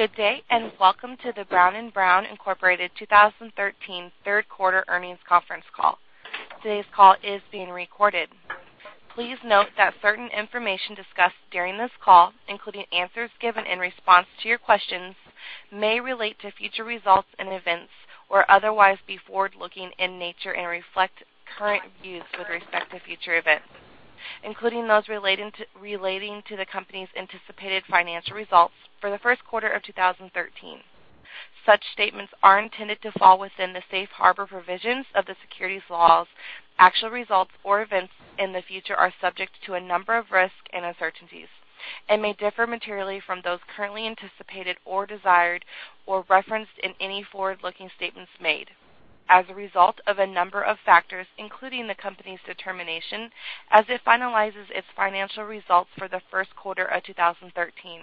Good day, and welcome to the Brown & Brown, Inc. 2013 third quarter earnings conference call. Today's call is being recorded. Please note that certain information discussed during this call, including answers given in response to your questions, may relate to future results and events, or otherwise be forward-looking in nature and reflect current views with respect to future events, including those relating to the company's anticipated financial results for the first quarter of 2013. Such statements are intended to fall within the safe harbor provisions of the securities laws. Actual results or events in the future are subject to a number of risks and uncertainties, and may differ materially from those currently anticipated or desired, or referenced in any forward-looking statements made as a result of a number of factors, including the company's determination as it finalizes its financial results for the first quarter of 2013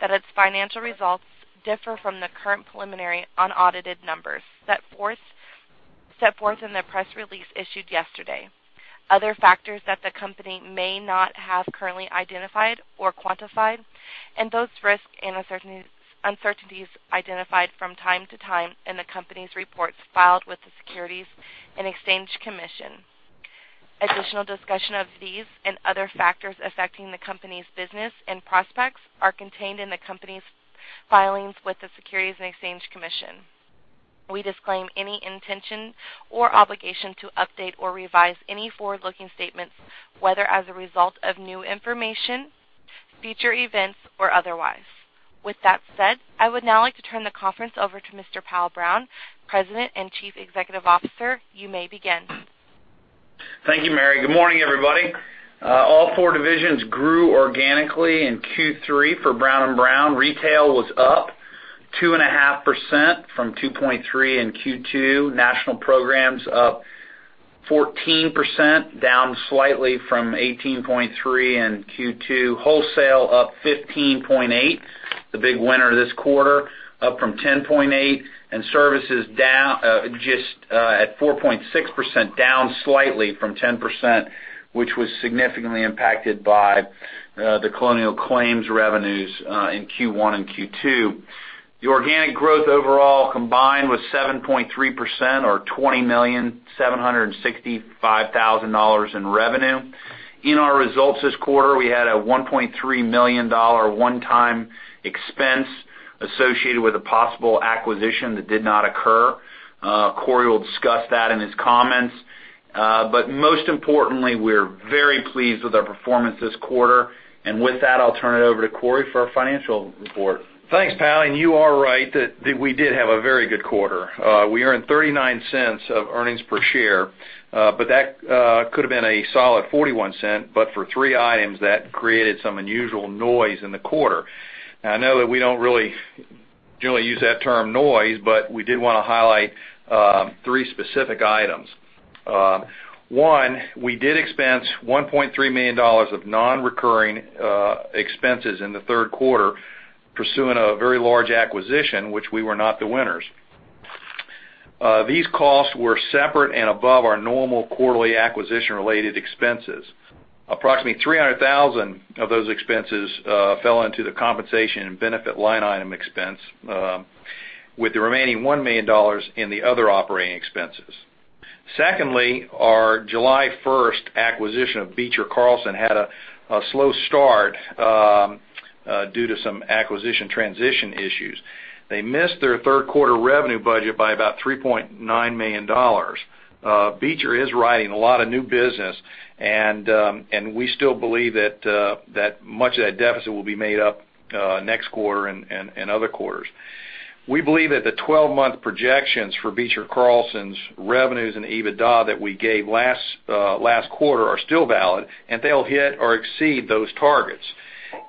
that its financial results differ from the current preliminary unaudited numbers set forth in the press release issued yesterday. Other factors that the company may not have currently identified or quantified, and those risks and uncertainties identified from time to time in the company's reports filed with the Securities and Exchange Commission. Additional discussion of these and other factors affecting the company's business and prospects are contained in the company's filings with the Securities and Exchange Commission. We disclaim any intention or obligation to update or revise any forward-looking statements, whether as a result of new information, future events, or otherwise. With that said, I would now like to turn the conference over to Mr. Powell Brown, President and Chief Executive Officer. You may begin. Thank you, Mary. Good morning, everybody. All four divisions grew organically in Q3 for Brown & Brown. Retail was up 2.5% from 2.3% in Q2. National programs up 14%, down slightly from 18.3% in Q2. Wholesale up 15.8%, the big winner this quarter, up from 10.8%. Services just at 4.6%, down slightly from 10%, which was significantly impacted by the Colonial Claims revenues in Q1 and Q2. The organic growth overall combined was 7.3%, or $20,765,000 in revenue. In our results this quarter, we had a $1.3 million one-time expense associated with a possible acquisition that did not occur. Cory will discuss that in his comments. Most importantly, we're very pleased with our performance this quarter. With that, I'll turn it over to Cory for our financial report. Thanks, Powell. You are right that we did have a very good quarter. We earned $0.39 of earnings per share but that could have been a solid $0.41, but for three items that created some unusual noise in the quarter. I know that we don't really generally use that term noise, but we did want to highlight three specific items. One, we did expense $1.3 million of non-recurring expenses in the third quarter pursuing a very large acquisition, which we were not the winners. These costs were separate and above our normal quarterly acquisition-related expenses. Approximately $300,000 of those expenses fell into the compensation and benefit line item expense, with the remaining $1 million in the other operating expenses. Secondly, our July 1st acquisition of Beecher Carlson had a slow start due to some acquisition transition issues. They missed their third quarter revenue budget by about $3.9 million. Beecher is writing a lot of new business, and we still believe that much of that deficit will be made up next quarter and other quarters. We believe that the 12-month projections for Beecher Carlson's revenues and EBITDA that we gave last quarter are still valid, and they'll hit or exceed those targets.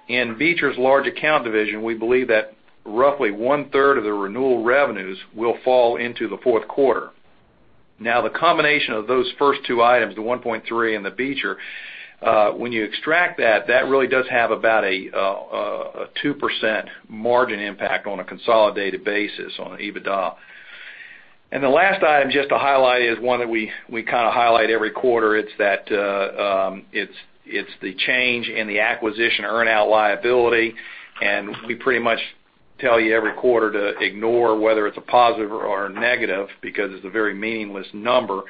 In Beecher's large account division, we believe that roughly one-third of the renewal revenues will fall into the fourth quarter. The combination of those first two items, the 1.3 and the Beecher, when you extract that really does have about a 2% margin impact on a consolidated basis on an EBITDA. The last item just to highlight is one that we kind of highlight every quarter. It's the change in the acquisition earn-out liability, we pretty much tell you every quarter to ignore whether it's a positive or a negative because it's a very meaningless number.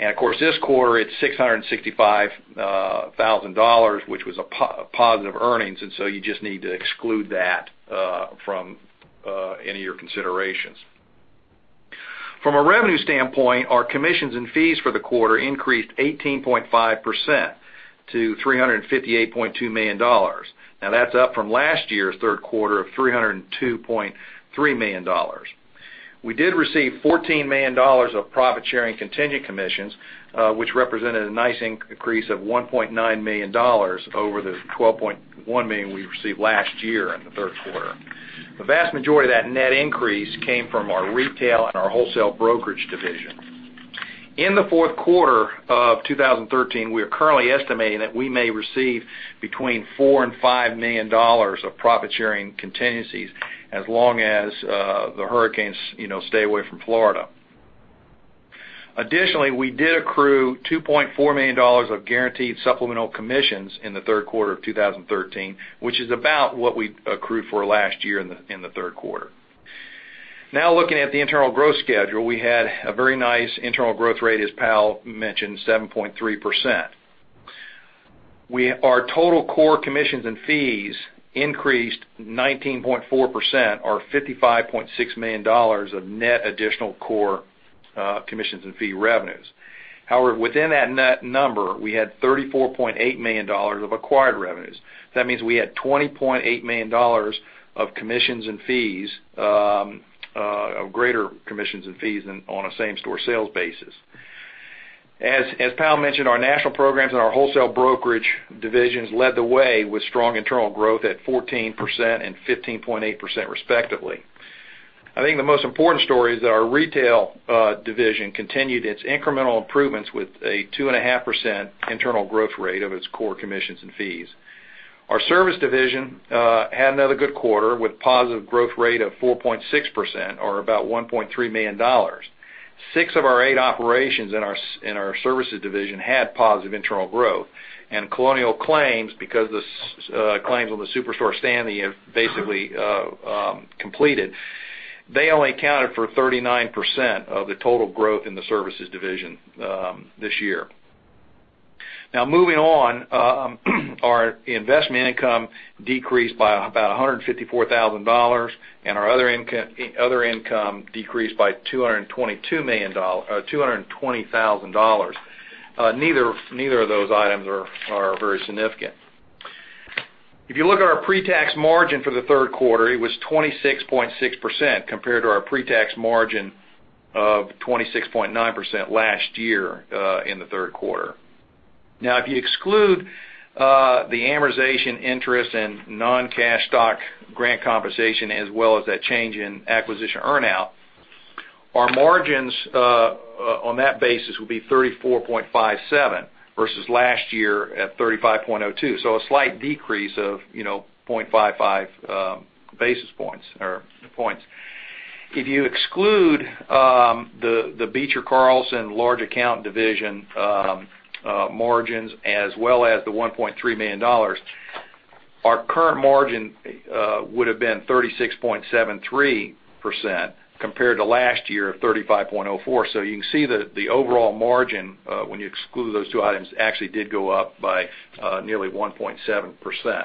Of course, this quarter, it's $665,000, which was a positive earnings, so you just need to exclude that from any of your considerations. From a revenue standpoint, our commissions and fees for the quarter increased 18.5% to $358.2 million. That's up from last year's third quarter of $302.3 million. We did receive $14 million of profit-sharing contingent commissions, which represented a nice increase of $1.9 million over the $12.1 million we received last year in the third quarter. The vast majority of that net increase came from our retail and our wholesale brokerage division. In the fourth quarter of 2013, we are currently estimating that we may receive between $4 million and $5 million of profit-sharing contingencies as long as the hurricanes stay away from Florida. We did accrue $2.4 million of guaranteed supplemental commissions in the third quarter of 2013, which is about what we accrued for last year in the third quarter. Looking at the internal growth schedule, we had a very nice internal growth rate, as Powell mentioned, 7.3%. Our total core commissions and fees increased 19.4%, or $55.6 million of net additional core commissions and fee revenues. Within that net number, we had $34.8 million of acquired revenues. That means we had $20.8 million of greater commissions and fees on a same-store sales basis. As Powell mentioned, our national programs and our wholesale brokerage divisions led the way with strong internal growth at 14% and 15.8% respectively. I think the most important story is that our retail division continued its incremental improvements with a 2.5% internal growth rate of its core commissions and fees. Our service division had another good quarter with positive growth rate of 4.6%, or about $1.3 million. 6 of our 8 operations in our services division had positive internal growth, and Colonial Claims, because the claims on the Superstorm Sandy have basically completed, they only accounted for 39% of the total growth in the services division this year. Moving on, our investment income decreased by about $154,000, and our other income decreased by $220,000. Neither of those items are very significant. If you look at our pre-tax margin for the third quarter, it was 26.6% compared to our pre-tax margin of 26.9% last year in the third quarter. If you exclude the amortization interest and non-cash stock grant compensation as well as that change in acquisition earn-out, our margins on that basis will be 34.57% versus last year at 35.02%. A slight decrease of 0.55 basis points or points. If you exclude the Beecher Carlson large account division margins as well as the $1.3 million, our current margin would have been 36.73% compared to last year of 35.04%. You can see that the overall margin, when you exclude those two items, actually did go up by nearly 1.7%.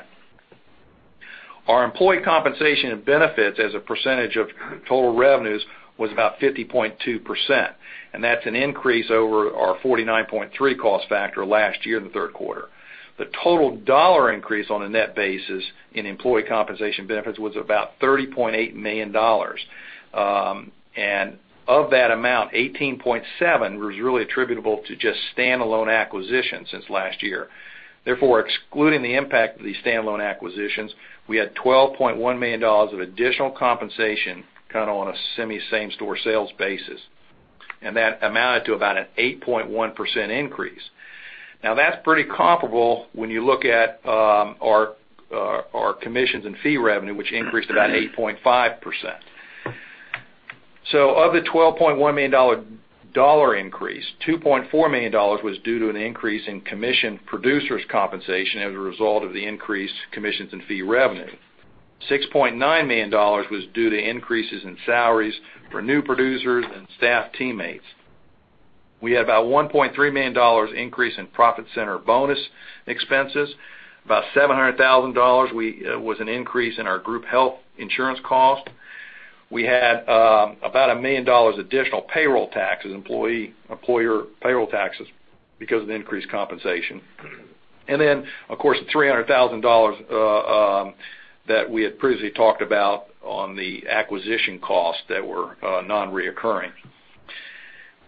Our employee compensation and benefits as a percentage of total revenues was about 50.2%, and that's an increase over our 49.3% cost factor last year in the third quarter. The total dollar increase on a net basis in employee compensation benefits was about $30.8 million. Of that amount, $18.7 million was really attributable to just standalone acquisitions since last year. Therefore, excluding the impact of these standalone acquisitions, we had $12.1 million of additional compensation on a semi same-store sales basis, and that amounted to about an 8.1% increase. That's pretty comparable when you look at our commissions and fee revenue, which increased about 8.5%. Of the $12.1 million dollar increase, $2.4 million was due to an increase in commission producers' compensation as a result of the increased commissions and fee revenue. $6.9 million was due to increases in salaries for new producers and staff teammates. We had about $1.3 million increase in profit center bonus expenses. About $700,000 was an increase in our group health insurance cost. We had about $1 million additional payroll taxes, employee employer payroll taxes, because of the increased compensation. Of course, the $300,000 that we had previously talked about on the acquisition costs that were non-reoccurring.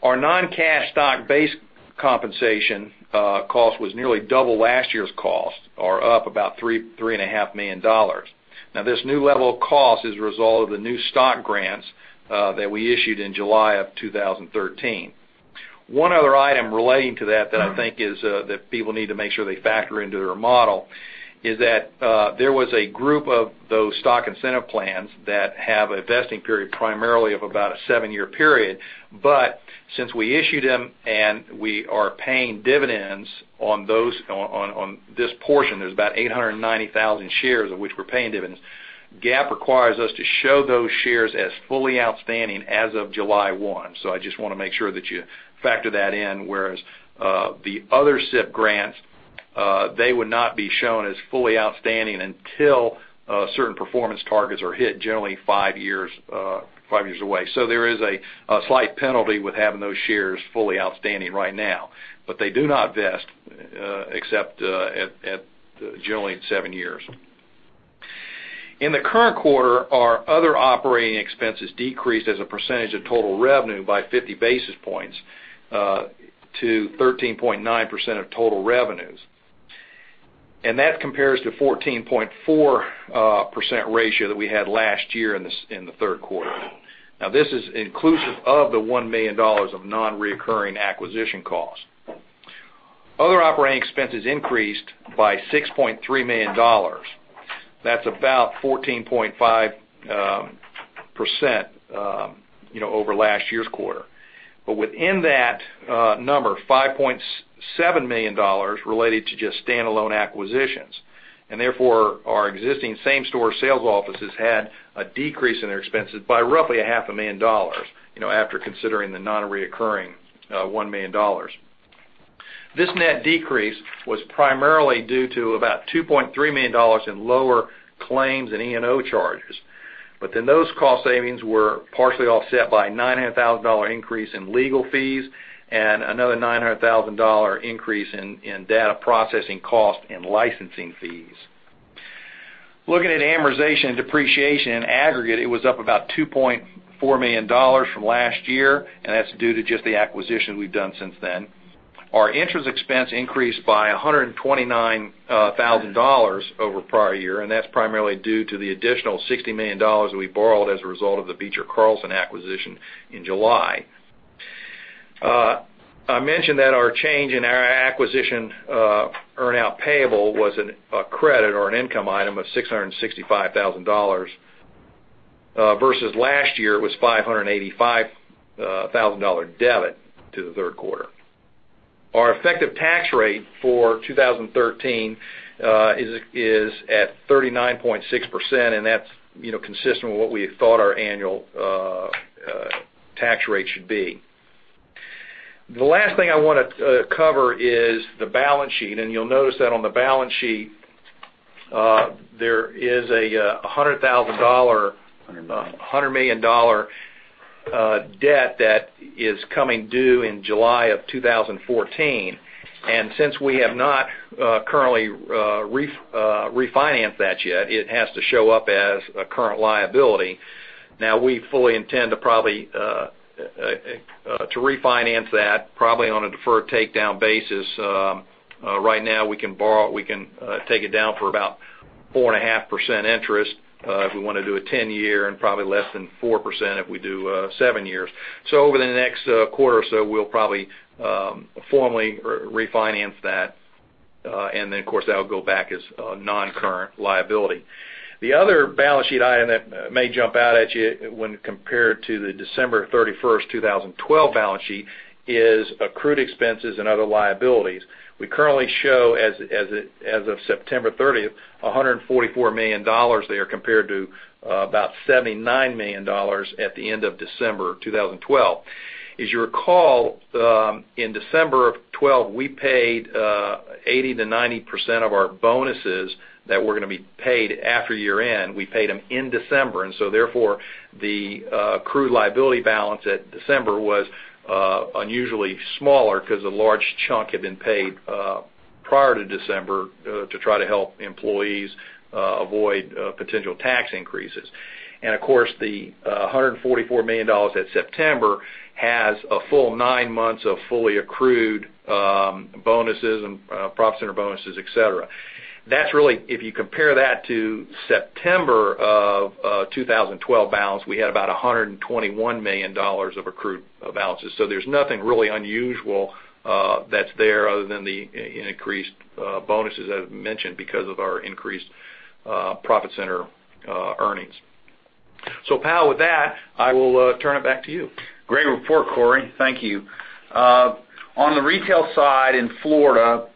Our non-cash stock-based compensation cost was nearly double last year's cost, or up about $3.5 million. This new level of cost is a result of the new stock grants that we issued in July of 2013. One other item relating to that that I think that people need to make sure they factor into their model is that there was a group of those stock incentive plans that have a vesting period primarily of about a 7-year period. Since we issued them and we are paying dividends on this portion, there's about 890,000 shares of which we're paying dividends, GAAP requires us to show those shares as fully outstanding as of July 1. I just want to make sure that you factor that in, whereas the other SIP grants, they would not be shown as fully outstanding until certain performance targets are hit generally five years away. There is a slight penalty with having those shares fully outstanding right now, they do not vest except at generally seven years. In the current quarter, our other operating expenses decreased as a percentage of total revenue by 50 basis points to 13.9% of total revenues. That compares to 14.4% ratio that we had last year in the third quarter. This is inclusive of the $1 million of non-reoccurring acquisition costs. Other operating expenses increased by $6.3 million. That's about 14.5% over last year's quarter. Within that number, $5.7 million related to just standalone acquisitions. Therefore, our existing same-store sales offices had a decrease in their expenses by roughly a half a million dollars, after considering the non-reoccurring $1 million. This net decrease was primarily due to about $2.3 million in lower claims and E&O charges. Those cost savings were partially offset by a $900,000 increase in legal fees and another $900,000 increase in data processing costs and licensing fees. Looking at amortization and depreciation in aggregate, it was up about $2.4 million from last year, that's due to just the acquisitions we've done since then. Our interest expense increased by $129,000 over prior year, that's primarily due to the additional $60 million we borrowed as a result of the Beecher Carlson acquisition in July. I mentioned that our change in our acquisition earnout payable was a credit or an income item of $665,000 versus last year, it was $585,000 debit to the third quarter. Our effective tax rate for 2013 is at 39.6%, that's consistent with what we had thought our annual tax rate should be. The last thing I want to cover is the balance sheet, you'll notice that on the balance sheet, there is a $100,000- $100 million Since we have not currently refinanced that yet, it has to show up as a current liability. We fully intend to refinance that, probably on a deferred takedown basis. Right now, we can take it down for about 4.5% interest, if we want to do a 10-year and probably less than 4%, if we do seven years. Over the next quarter or so, we'll probably formally refinance that. Of course, that'll go back as non-current liability. The other balance sheet item that may jump out at you when compared to the December 31st, 2012 balance sheet is accrued expenses and other liabilities. We currently show as of September 30th, $144 million there compared to about $79 million at the end of December 2012. As you recall, in December of 2012, we paid 80%-90% of our bonuses that were going to be paid after year-end. We paid them in December, therefore, the accrued liability balance at December was unusually smaller because a large chunk had been paid prior to December to try to help employees avoid potential tax increases. Of course, the $144 million at September has a full nine months of fully accrued bonuses and profit center bonuses, et cetera. If you compare that to September of 2012 balance, we had about $121 million of accrued balances. There's nothing really unusual that's there other than the increased bonuses I've mentioned because of our increased profit center earnings. Powell, with that, I will turn it back to you. Great report, Cory. Thank you. On the retail side in Florida,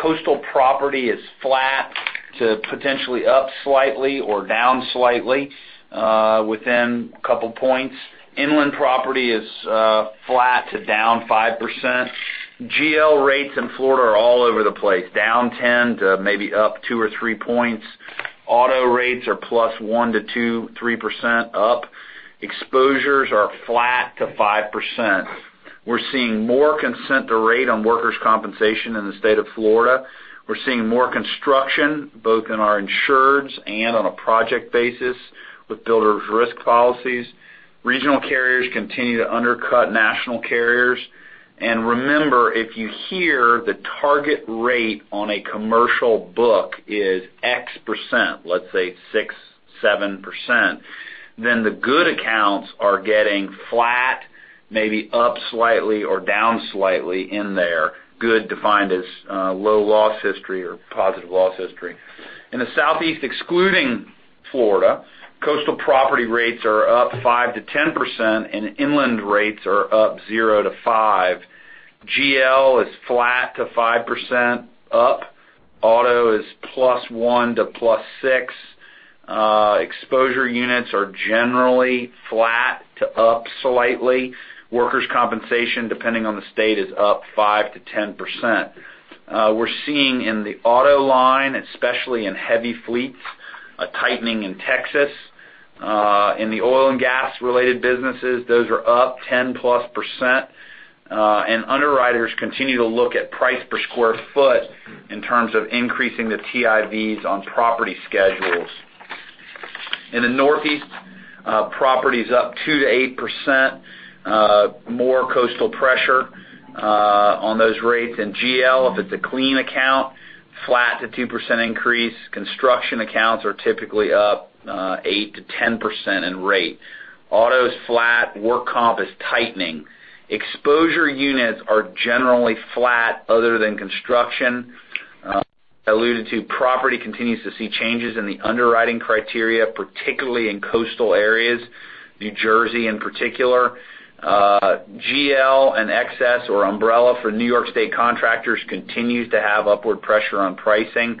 coastal property is flat to potentially up slightly or down slightly within a couple of points. Inland property is flat to down 5%. GL rates in Florida are all over the place, down 10 to maybe up two or three points. Auto rates are plus 1%-2%, 3% up. Exposures are flat to 5%. We're seeing more consent to rate on workers' compensation in the state of Florida. We're seeing more construction, both in our insureds and on a project basis with builders' risk policies. Regional carriers continue to undercut national carriers. Remember, if you hear the target rate on a commercial book is X%, let's say 6%-7%, then the good accounts are getting flat, maybe up slightly or down slightly in there. Good defined as low loss history or positive loss history. In the Southeast, excluding Florida, coastal property rates are up 5%-10%, inland rates are up 0-5%. GL is flat to 5% up. Auto is plus one to plus six. Exposure units are generally flat to up slightly. Workers' compensation, depending on the state, is up 5%-10%. We're seeing in the auto line, especially in heavy fleets, a tightening in Texas. In the oil and gas related businesses, those are up 10%+. Underwriters continue to look at price per square foot in terms of increasing the TIVs on property schedules. In the Northeast, property's up 2%-8%. More coastal pressure on those rates. In GL, if it's a clean account, flat to 2% increase. Construction accounts are typically up 8%-10% in rate. Auto's flat. Work comp is tightening. Exposure units are generally flat other than construction. I alluded to property continues to see changes in the underwriting criteria, particularly in coastal areas, New Jersey in particular. GL and excess or umbrella for New York State contractors continues to have upward pressure on pricing.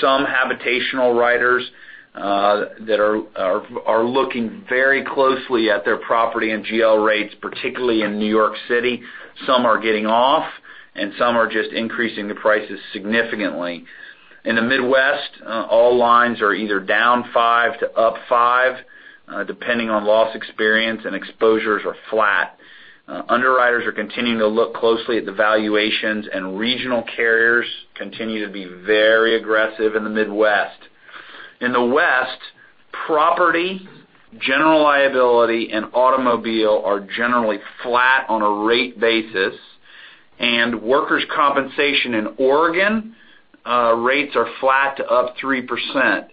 Some habitational writers that are looking very closely at their property and GL rates, particularly in New York City. Some are getting off, and some are just increasing the prices significantly. In the Midwest, all lines are either down 5% to up 5%, depending on loss experience, and exposures are flat. Underwriters are continuing to look closely at the valuations, and regional carriers continue to be very aggressive in the Midwest. In the West, property, general liability, and automobile are generally flat on a rate basis, and workers' compensation in Oregon, rates are flat to up 3%.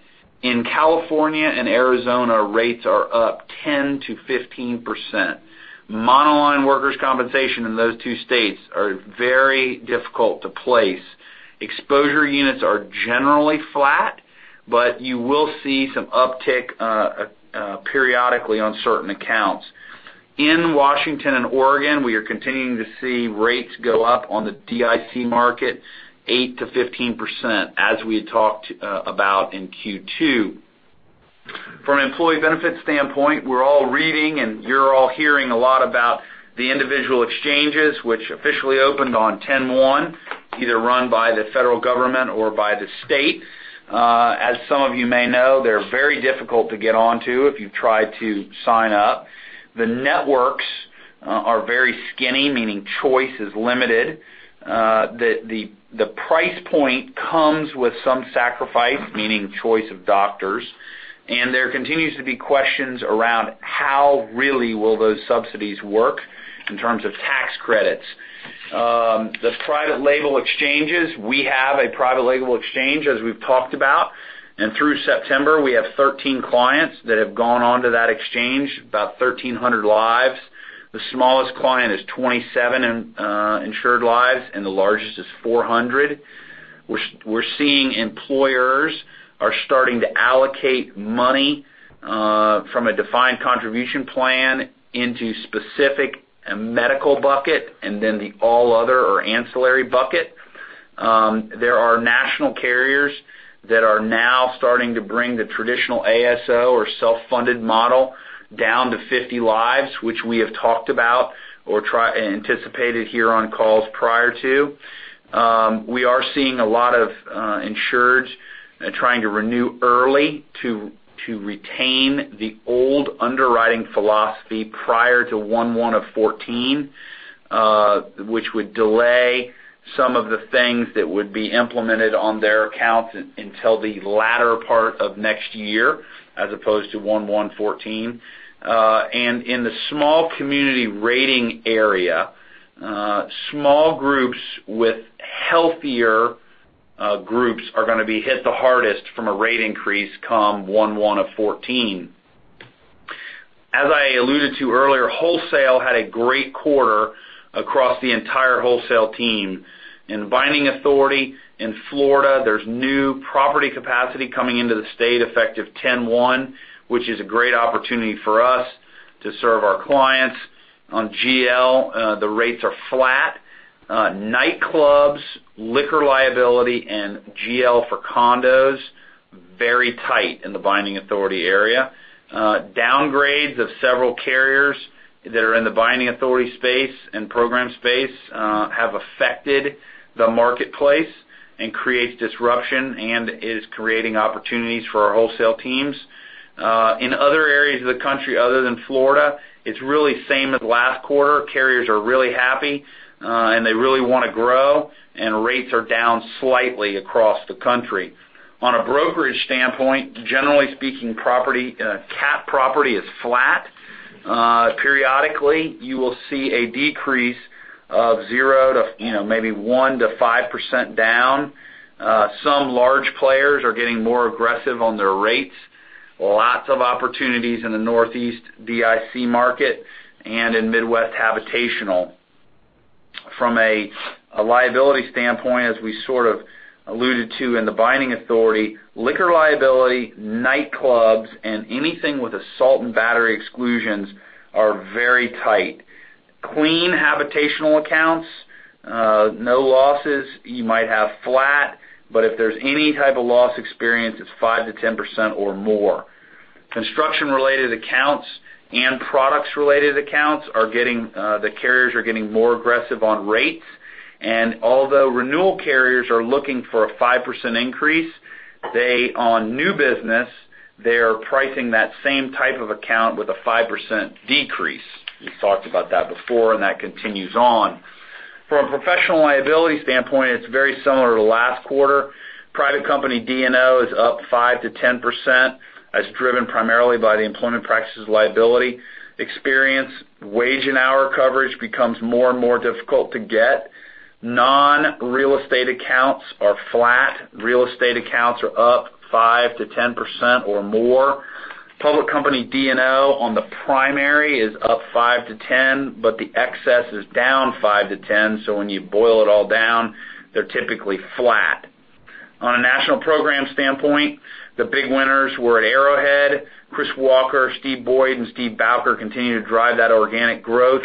In California and Arizona, rates are up 10%-15%. Monoline workers' compensation in those two states are very difficult to place. Exposure units are generally flat, but you will see some uptick periodically on certain accounts. In Washington and Oregon, we are continuing to see rates go up on the DIC market 8%-15%, as we had talked about in Q2. From an employee benefits standpoint, we're all reading, and you're all hearing a lot about the individual exchanges which officially opened on 10/1, either run by the federal government or by the state. As some of you may know, they're very difficult to get onto if you've tried to sign up. The networks are very skinny, meaning choice is limited. The price point comes with some sacrifice, meaning choice of doctors, and there continues to be questions around how really will those subsidies work in terms of tax credits. The private label exchanges, we have a private label exchange, as we've talked about. Through September, we have 13 clients that have gone onto that exchange, about 1,300 lives. The smallest client is 27 insured lives, and the largest is 400. We're seeing employers are starting to allocate money from a defined contribution plan into specific medical bucket and then the all other or ancillary bucket. There are national carriers that are now starting to bring the traditional ASO or self-funded model down to 50 lives, which we have talked about or anticipated here on calls prior to. We are seeing a lot of insureds trying to renew early to retain the old underwriting philosophy prior to 1/1/2014, which would delay some of the things that would be implemented on their accounts until the latter part of next year, as opposed to 1/1/2014. In the small community rating area, small groups with healthier groups are going to be hit the hardest from a rate increase come 1/1/2014. As I alluded to earlier, wholesale had a great quarter across the entire wholesale team. In binding authority in Florida, there's new property capacity coming into the state effective 10/1, which is a great opportunity for us to serve our clients. On GL, the rates are flat. Nightclubs, liquor liability, and GL for condos, very tight in the binding authority area. Downgrades of several carriers that are in the binding authority space and program space have affected the marketplace and creates disruption and is creating opportunities for our wholesale teams. In other areas of the country other than Florida, it's really same as last quarter. Carriers are really happy, and they really want to grow, and rates are down slightly across the country. On a brokerage standpoint, generally speaking, cap property is flat. Periodically, you will see a decrease of 0% to maybe 1%-5% down. Some large players are getting more aggressive on their rates. Lots of opportunities in the Northeast DIC market and in Midwest habitational. From a liability standpoint, as we sort of alluded to in the binding authority, liquor liability, nightclubs, and anything with assault and battery exclusions are very tight. Clean habitational accounts, no losses, you might have flat, but if there's any type of loss experience, it's 5%-10% or more. Construction related accounts and products related accounts, the carriers are getting more aggressive on rates. Although renewal carriers are looking for a 5% increase, on new business, they're pricing that same type of account with a 5% decrease. We've talked about that before. That continues on. From a professional liability standpoint, it's very similar to last quarter. Private company D&O is up 5%-10%. That's driven primarily by the employment practices liability experience. Wage and hour coverage becomes more and more difficult to get. Non-real estate accounts are flat. Real estate accounts are up 5%-10% or more. Public company D&O on the primary is up 5%-10%, but the excess is down 5%-10%. When you boil it all down, they're typically flat. On a national program standpoint, the big winners were at Arrowhead. Chris Walker, Stephen Boyd, and Steve Bowker continue to drive that organic growth.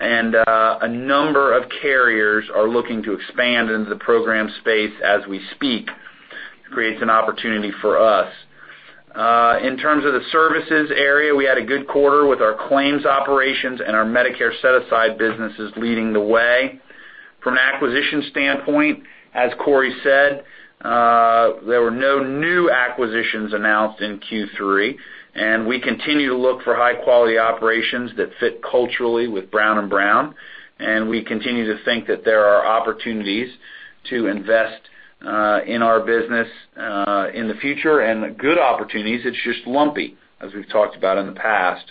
A number of carriers are looking to expand into the program space as we speak. It creates an opportunity for us. In terms of the services area, we had a good quarter with our claims operations and our Medicare set-aside businesses leading the way. From an acquisition standpoint, as Cory said, there were no new acquisitions announced in Q3. We continue to look for high-quality operations that fit culturally with Brown & Brown. We continue to think that there are opportunities to invest in our business in the future and good opportunities. It's just lumpy, as we've talked about in the past.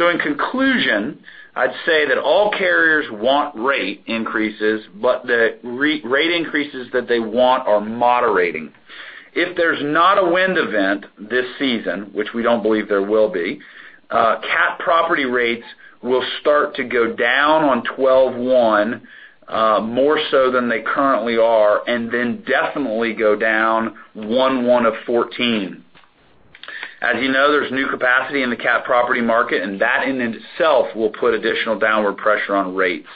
In conclusion, I'd say that all carriers want rate increases, but the rate increases that they want are moderating. If there's not a wind event this season, which we don't believe there will be, cat property rates will start to go down on 12/1, more so than they currently are, and then definitely go down 1/1/2014. As you know, there's new capacity in the cat property market. That in itself will put additional downward pressure on rates.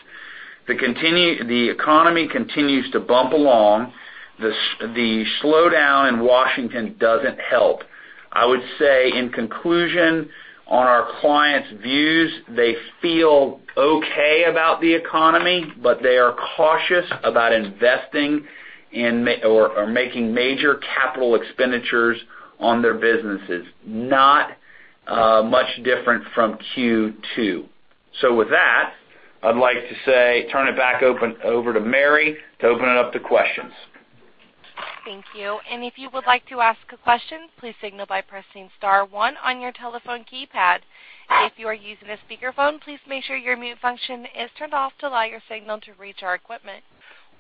The economy continues to bump along. The slowdown in Washington doesn't help. I would say, in conclusion, on our clients' views, they feel okay about the economy, but they are cautious about investing or making major capital expenditures on their businesses. Not much different from Q2. With that, I'd like to turn it back over to Mary to open it up to questions. Thank you. If you would like to ask a question, please signal by pressing star one on your telephone keypad. If you are using a speakerphone, please make sure your mute function is turned off to allow your signal to reach our equipment.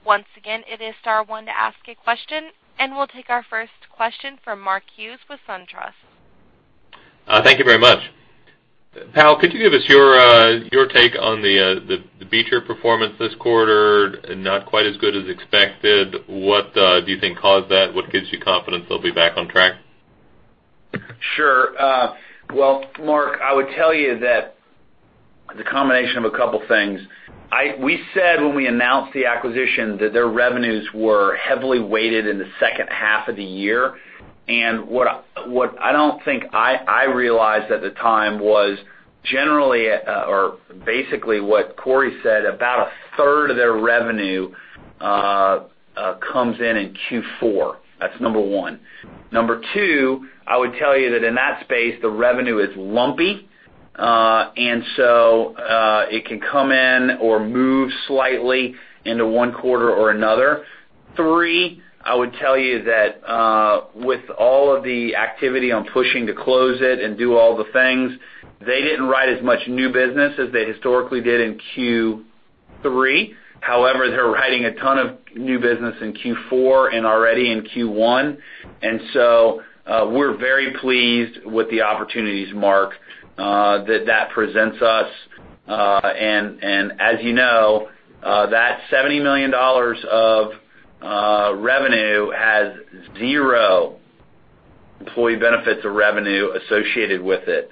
Once again, it is star one to ask a question, and we'll take our first question from Mark Hughes with SunTrust. Thank you very much. Powell, could you give us your take on the Beecher performance this quarter? Not quite as good as expected. What do you think caused that? What gives you confidence they'll be back on track? Sure. Well, Mark, I would tell you that the combination of a couple things. We said when we announced the acquisition that their revenues were heavily weighted in the second half of the year. What I don't think I realized at the time was generally or basically what Cory said, about a third of their revenue comes in Q4. That's number 1. Number 2, I would tell you that in that space, the revenue is lumpy, so it can come in or move slightly into one quarter or another. 3, I would tell you that with all of the activity on pushing to close it and do all the things, they didn't write as much new business as they historically did in Q3. However, they're writing a ton of new business in Q4 and already in Q1. We're very pleased with the opportunities, Mark, that that presents us. As you know, that $70 million of revenue has zero employee benefits of revenue associated with it.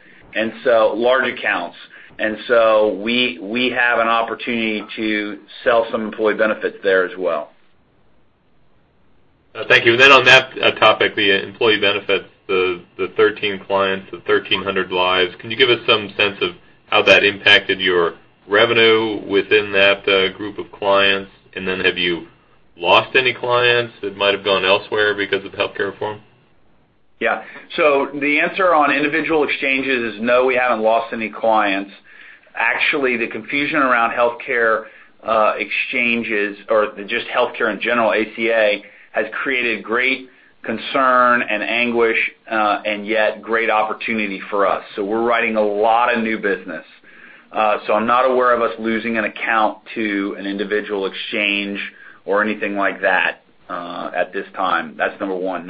Large accounts. We have an opportunity to sell some employee benefits there as well. Thank you. On that topic, the employee benefits, the 13 clients, the 1,300 lives, can you give us some sense of how that impacted your revenue within that group of clients? Have you lost any clients that might have gone elsewhere because of healthcare reform? Yeah. The answer on individual exchanges is no, we haven't lost any clients. Actually, the confusion around healthcare exchanges or just healthcare in general, ACA, has created great concern and anguish, yet great opportunity for us. We're writing a lot of new business. I'm not aware of us losing an account to an individual exchange or anything like that at this time. That's number one.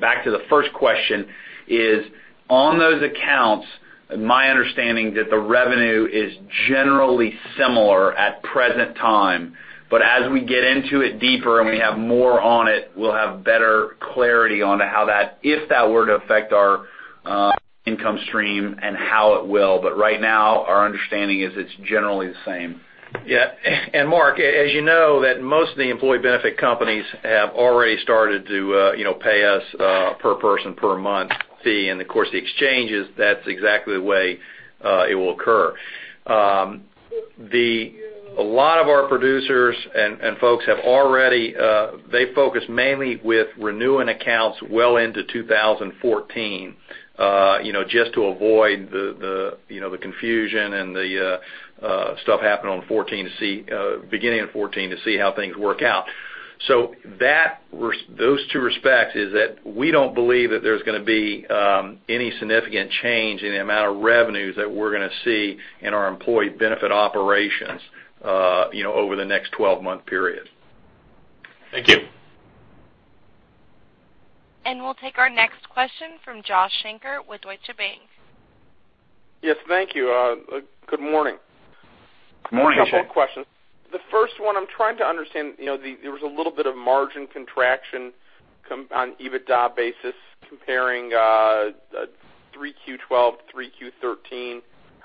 Back to the first question is on those accounts, my understanding that the revenue is generally similar at present time, as we get into it deeper and we have more on it, we'll have better clarity on if that were to affect our income stream and how it will. Right now, our understanding is it's generally the same. Yeah. Mark, as you know, that most of the employee benefit companies have already started to pay us per person, per month fee. The exchanges, that's exactly the way it will occur. A lot of our producers and folks, they focus mainly with renewing accounts well into 2014, just to avoid the confusion and the stuff happening beginning of 2014 to see how things work out. Those two respects is that we don't believe that there's going to be any significant change in the amount of revenues that we're going to see in our employee benefit operations over the next 12-month period. Thank you. We'll take our next question from Joshua Shanker with Deutsche Bank. Yes, thank you. Good morning. Good morning, Josh. A couple of questions. The first one I'm trying to understand, there was a little bit of margin contraction on EBITDA basis comparing 3Q12 to 3Q13.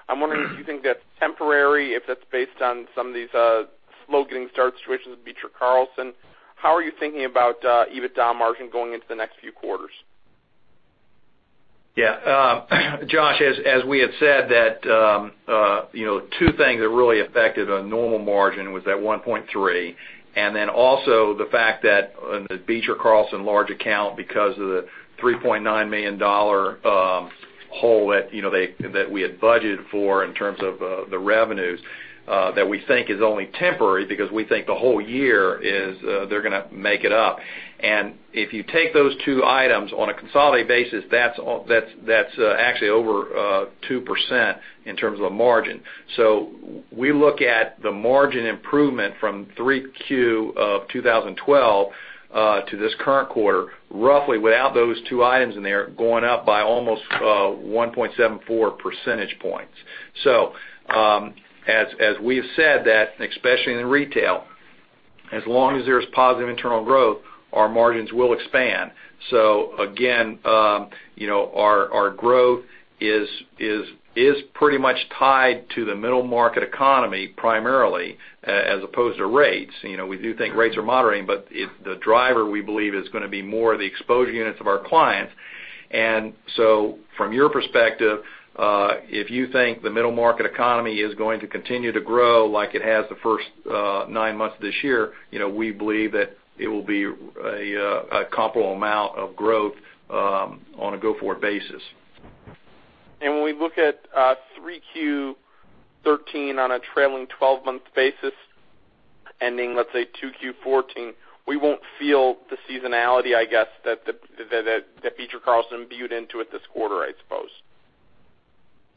I'm wondering if you think that's temporary, if that's based on some of these slow getting start situations with Beecher Carlson. How are you thinking about EBITDA margin going into the next few quarters? Josh, as we had said that two things that really affected a normal margin was that 1.3, and then also the fact that on the Beecher Carlson large account because of the $3.9 million hole that we had budgeted for in terms of the revenues, that we think is only temporary because we think the whole year they're going to make it up. If you take those two items on a consolidated basis, that's actually over 2% in terms of margin. We look at the margin improvement from 3Q of 2012 to this current quarter, roughly without those two items in there, going up by almost 1.74 percentage points. As we've said that, especially in retail, as long as there's positive internal growth, our margins will expand. Again, our growth is pretty much tied to the middle market economy primarily, as opposed to rates. We do think rates are moderating, but the driver, we believe, is going to be more the exposure units of our clients. From your perspective, if you think the middle market economy is going to continue to grow like it has the first nine months of this year, we believe that it will be a comparable amount of growth on a go-forward basis. When we look at 3Q13 on a trailing 12-month basis ending, let's say, 2Q14, we won't feel the seasonality, I guess, that Beecher Carlson viewed into it this quarter, I suppose.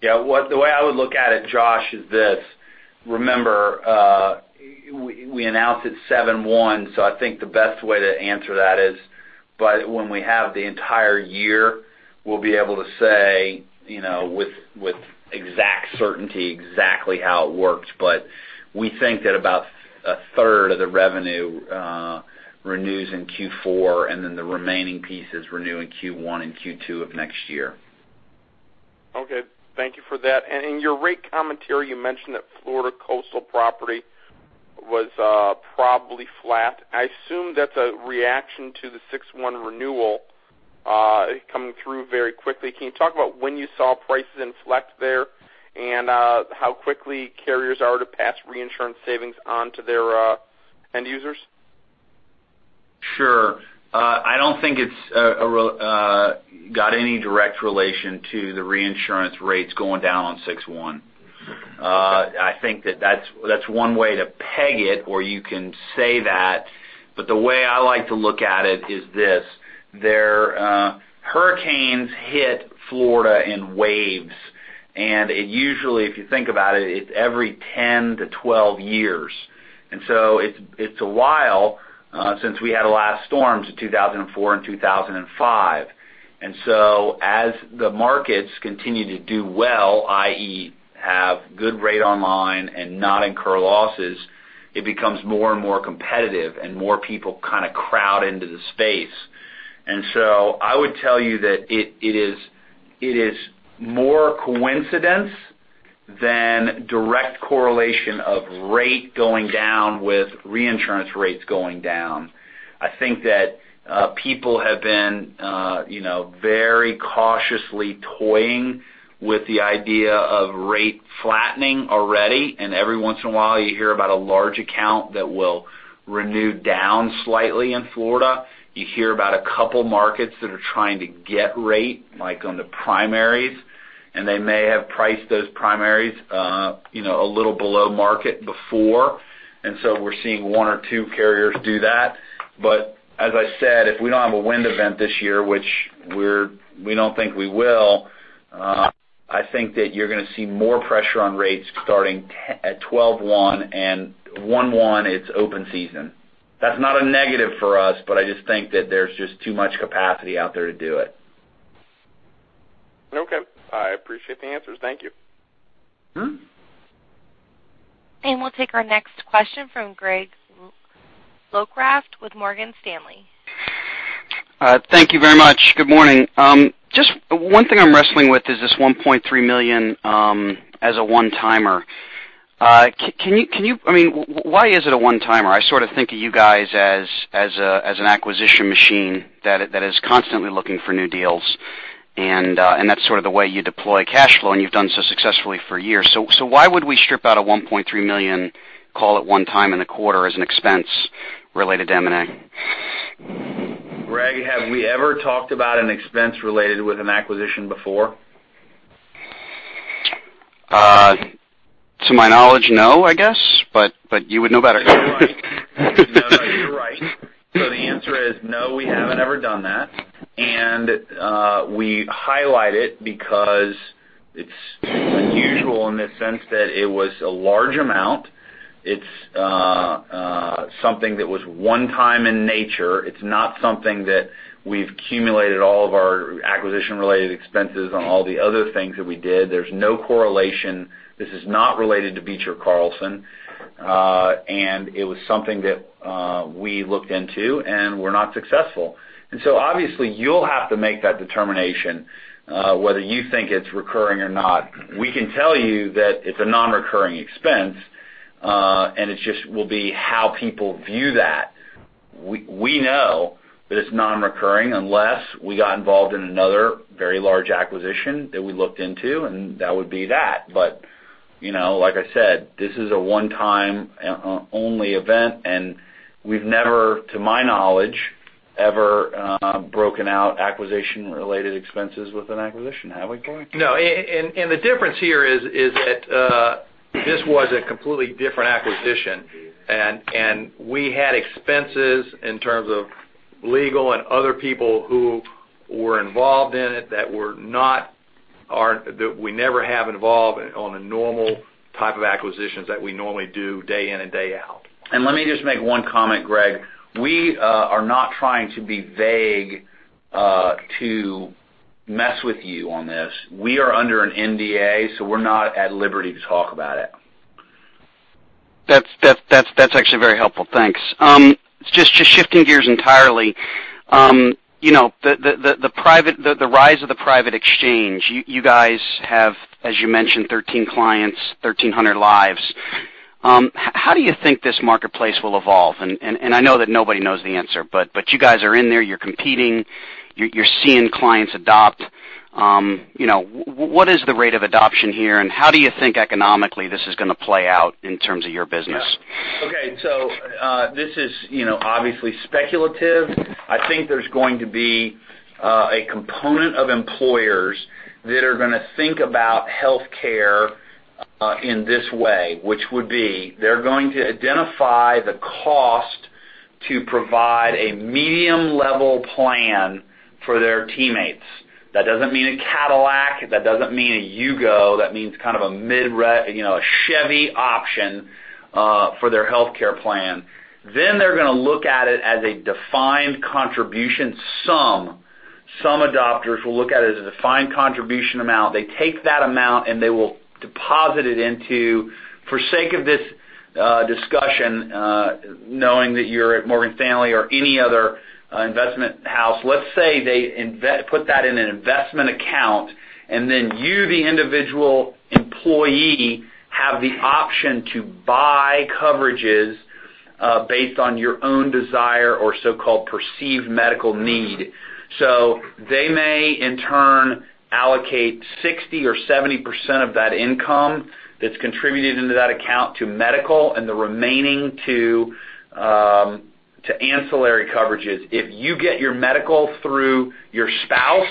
The way I would look at it, Josh, is this. Remember, we announced it 7/1. I think the best way to answer that is, when we have the entire year, we'll be able to say with exact certainty exactly how it works. We think that about a third of the revenue renews in Q4, and then the remaining piece is renew in Q1 and Q2 of next year. Okay. Thank you for that. In your rate commentary, you mentioned that Florida Coastal Property was probably flat. I assume that's a reaction to the 6/1 renewal coming through very quickly. Can you talk about when you saw prices inflect there, and how quickly carriers are to pass reinsurance savings on to their end users? Sure. I don't think it's got any direct relation to the reinsurance rates going down on 6/1. I think that's one way to peg it, or you can say that, but the way I like to look at it is this. Hurricanes hit Florida in waves, and it usually, if you think about it's every 10-12 years. It's a while since we had the last storms in 2004 and 2005. As the markets continue to do well, i.e., have good rate online and not incur losses, it becomes more and more competitive and more people kind of crowd into the space. I would tell you that it is more coincidence than direct correlation of rate going down with reinsurance rates going down. I think that people have been very cautiously toying with the idea of rate flattening already. Every once in a while, you hear about a large account that will renew down slightly in Florida. You hear about a couple markets that are trying to get rate, like on the primaries, and they may have priced those primaries a little below market before. We're seeing one or two carriers do that. As I said, if we don't have a wind event this year, which we don't think we will, I think that you're going to see more pressure on rates starting at 12/1. 1/1, it's open season. That's not a negative for us, but I just think that there's just too much capacity out there to do it. Okay. I appreciate the answers. Thank you. We'll take our next question from Greg Locraft with Morgan Stanley. Thank you very much. Good morning. Just one thing I'm wrestling with is this $1.3 million as a one-timer. Why is it a one-timer? I sort of think of you guys as an acquisition machine that is constantly looking for new deals, and that's sort of the way you deploy cash flow, and you've done so successfully for years. Why would we strip out a $1.3 million, call it one time in a quarter as an expense related to M&A? Greg, have we ever talked about an expense related with an acquisition before? To my knowledge, no, I guess, but you would know better. No, you're right. The answer is no, we haven't ever done that. We highlight it because it's unusual in the sense that it was a large amount. It's something that was one time in nature. It's not something that we've accumulated all of our acquisition related expenses on all the other things that we did. There's no correlation. This is not related to Beecher Carlson. It was something that we looked into, and were not successful. Obviously you'll have to make that determination, whether you think it's recurring or not. We can tell you that it's a non-recurring expense, and it just will be how people view that. We know that it's non-recurring unless we got involved in another very large acquisition that we looked into, and that would be that. Like I said, this is a one-time only event, and we've never, to my knowledge, ever broken out acquisition related expenses with an acquisition. Have we, Cory? No, the difference here is that this was a completely different acquisition, and we had expenses in terms of legal and other people who were involved in it that we never have involved on a normal type of acquisitions that we normally do day in and day out. Let me just make one comment, Greg. We are not trying to be vague to mess with you on this. We are under an NDA, we're not at liberty to talk about it. That's actually very helpful. Thanks. Just shifting gears entirely. The rise of the private exchange. You guys have, as you mentioned, 1,300 lives. How do you think this marketplace will evolve? I know that nobody knows the answer, but you guys are in there, you're competing, you're seeing clients adopt. What is the rate of adoption here, and how do you think economically this is going to play out in terms of your business? Okay. This is obviously speculative. I think there's going to be a component of employers that are going to think about healthcare in this way, which would be, they're going to identify the cost to provide a medium level plan for their teammates. That doesn't mean a Cadillac, that doesn't mean a Yugo, that means a Chevy option for their healthcare plan. They're going to look at it as a defined contribution sum. Some adopters will look at it as a defined contribution amount. They take that amount and they will deposit it into, for sake of this discussion, knowing that you're at Morgan Stanley or any other investment house. Let's say they put that in an investment account, and then you, the individual employee, have the option to buy coverages based on your own desire or so-called perceived medical need. They may, in turn, allocate 60% or 70% of that income that's contributed into that account to medical and the remaining to ancillary coverages. If you get your medical through your spouse,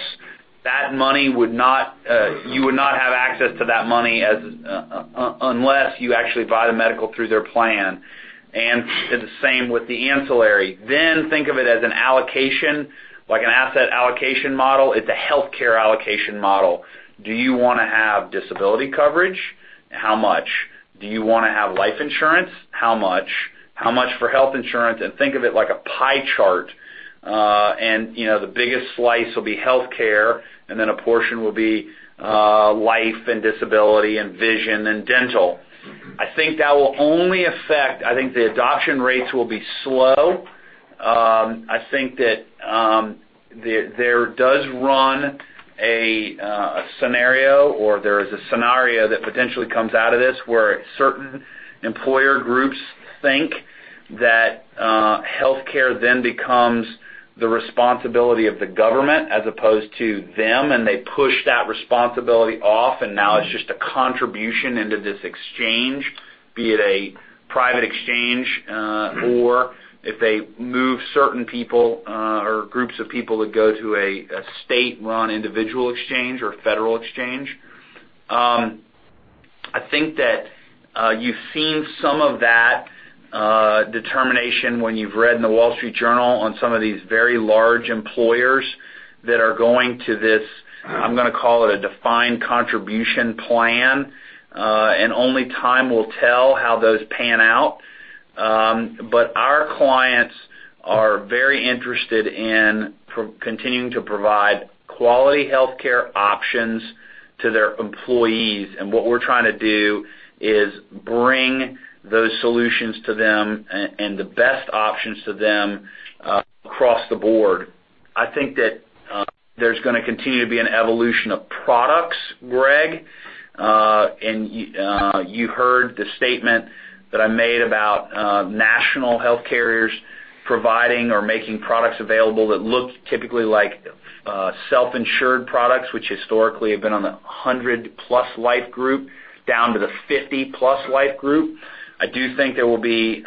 you would not have access to that money unless you actually buy the medical through their plan. The same with the ancillary. Think of it as an allocation, like an asset allocation model. It's a healthcare allocation model. Do you want to have disability coverage? How much? Do you want to have life insurance? How much? How much for health insurance? Think of it like a pie chart. The biggest slice will be healthcare, and then a portion will be life and disability and vision and dental. I think the adoption rates will be slow. I think that there does run a scenario, or there is a scenario that potentially comes out of this, where certain employer groups think that healthcare then becomes the responsibility of the government as opposed to them, and they push that responsibility off, and now it's just a contribution into this exchange, be it a private exchange or if they move certain people or groups of people that go to a state-run individual exchange or federal exchange. I think that you've seen some of that determination when you've read in The Wall Street Journal on some of these very large employers that are going to this, I'm going to call it a defined contribution plan. Only time will tell how those pan out. Our clients are very interested in continuing to provide quality healthcare options to their employees. What we're trying to do is bring those solutions to them and the best options to them across the board. I think that there's going to continue to be an evolution of products, Greg. You heard the statement that I made about national health carriers providing or making products available that look typically like self-insured products, which historically have been on the 100-plus life group down to the 50-plus life group. I do think there will be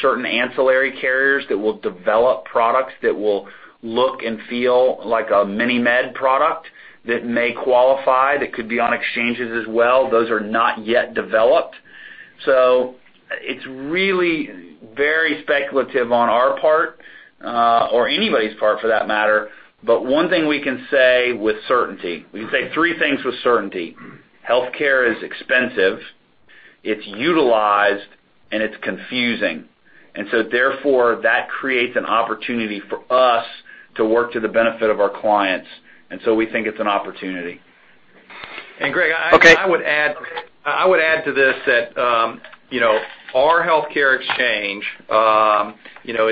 certain ancillary carriers that will develop products that will look and feel like a mini med product that may qualify, that could be on exchanges as well. Those are not yet developed. It's really very speculative on our part, or anybody's part, for that matter, but one thing we can say with certainty. We can say three things with certainty. Healthcare is expensive, it's utilized, and it's confusing. Therefore, that creates an opportunity for us to work to the benefit of our clients. We think it's an opportunity. Greg, I would add to this that our healthcare exchange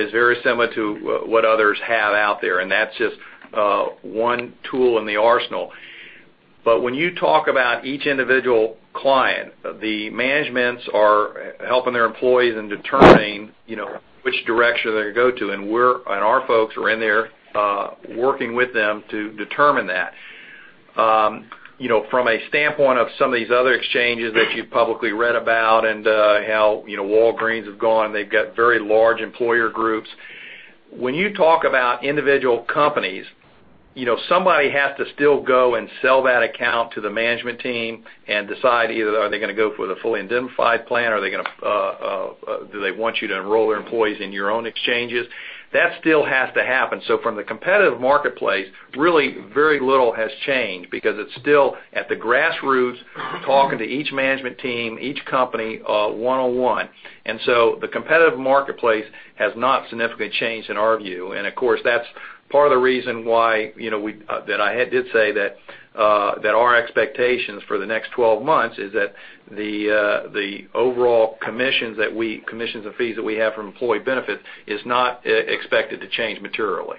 is very similar to what others have out there, and that's just one tool in the arsenal. When you talk about each individual client, the managements are helping their employees in determining, which direction they're going to go to, and our folks are in there, working with them to determine that. From a standpoint of some of these other exchanges that you've publicly read about and how Walgreens have gone, they've got very large employer groups. When you talk about individual companies, somebody has to still go and sell that account to the management team and decide either are they going to go for the fully indemnified plan, or do they want you to enroll their employees in your own exchanges? That still has to happen. From the competitive marketplace, really very little has changed because it's still at the grassroots, talking to each management team, each company one-on-one. The competitive marketplace has not significantly changed in our view. Of course, that's part of the reason why that I did say that our expectations for the next 12 months is that the overall commissions and fees that we have from employee benefits is not expected to change materially.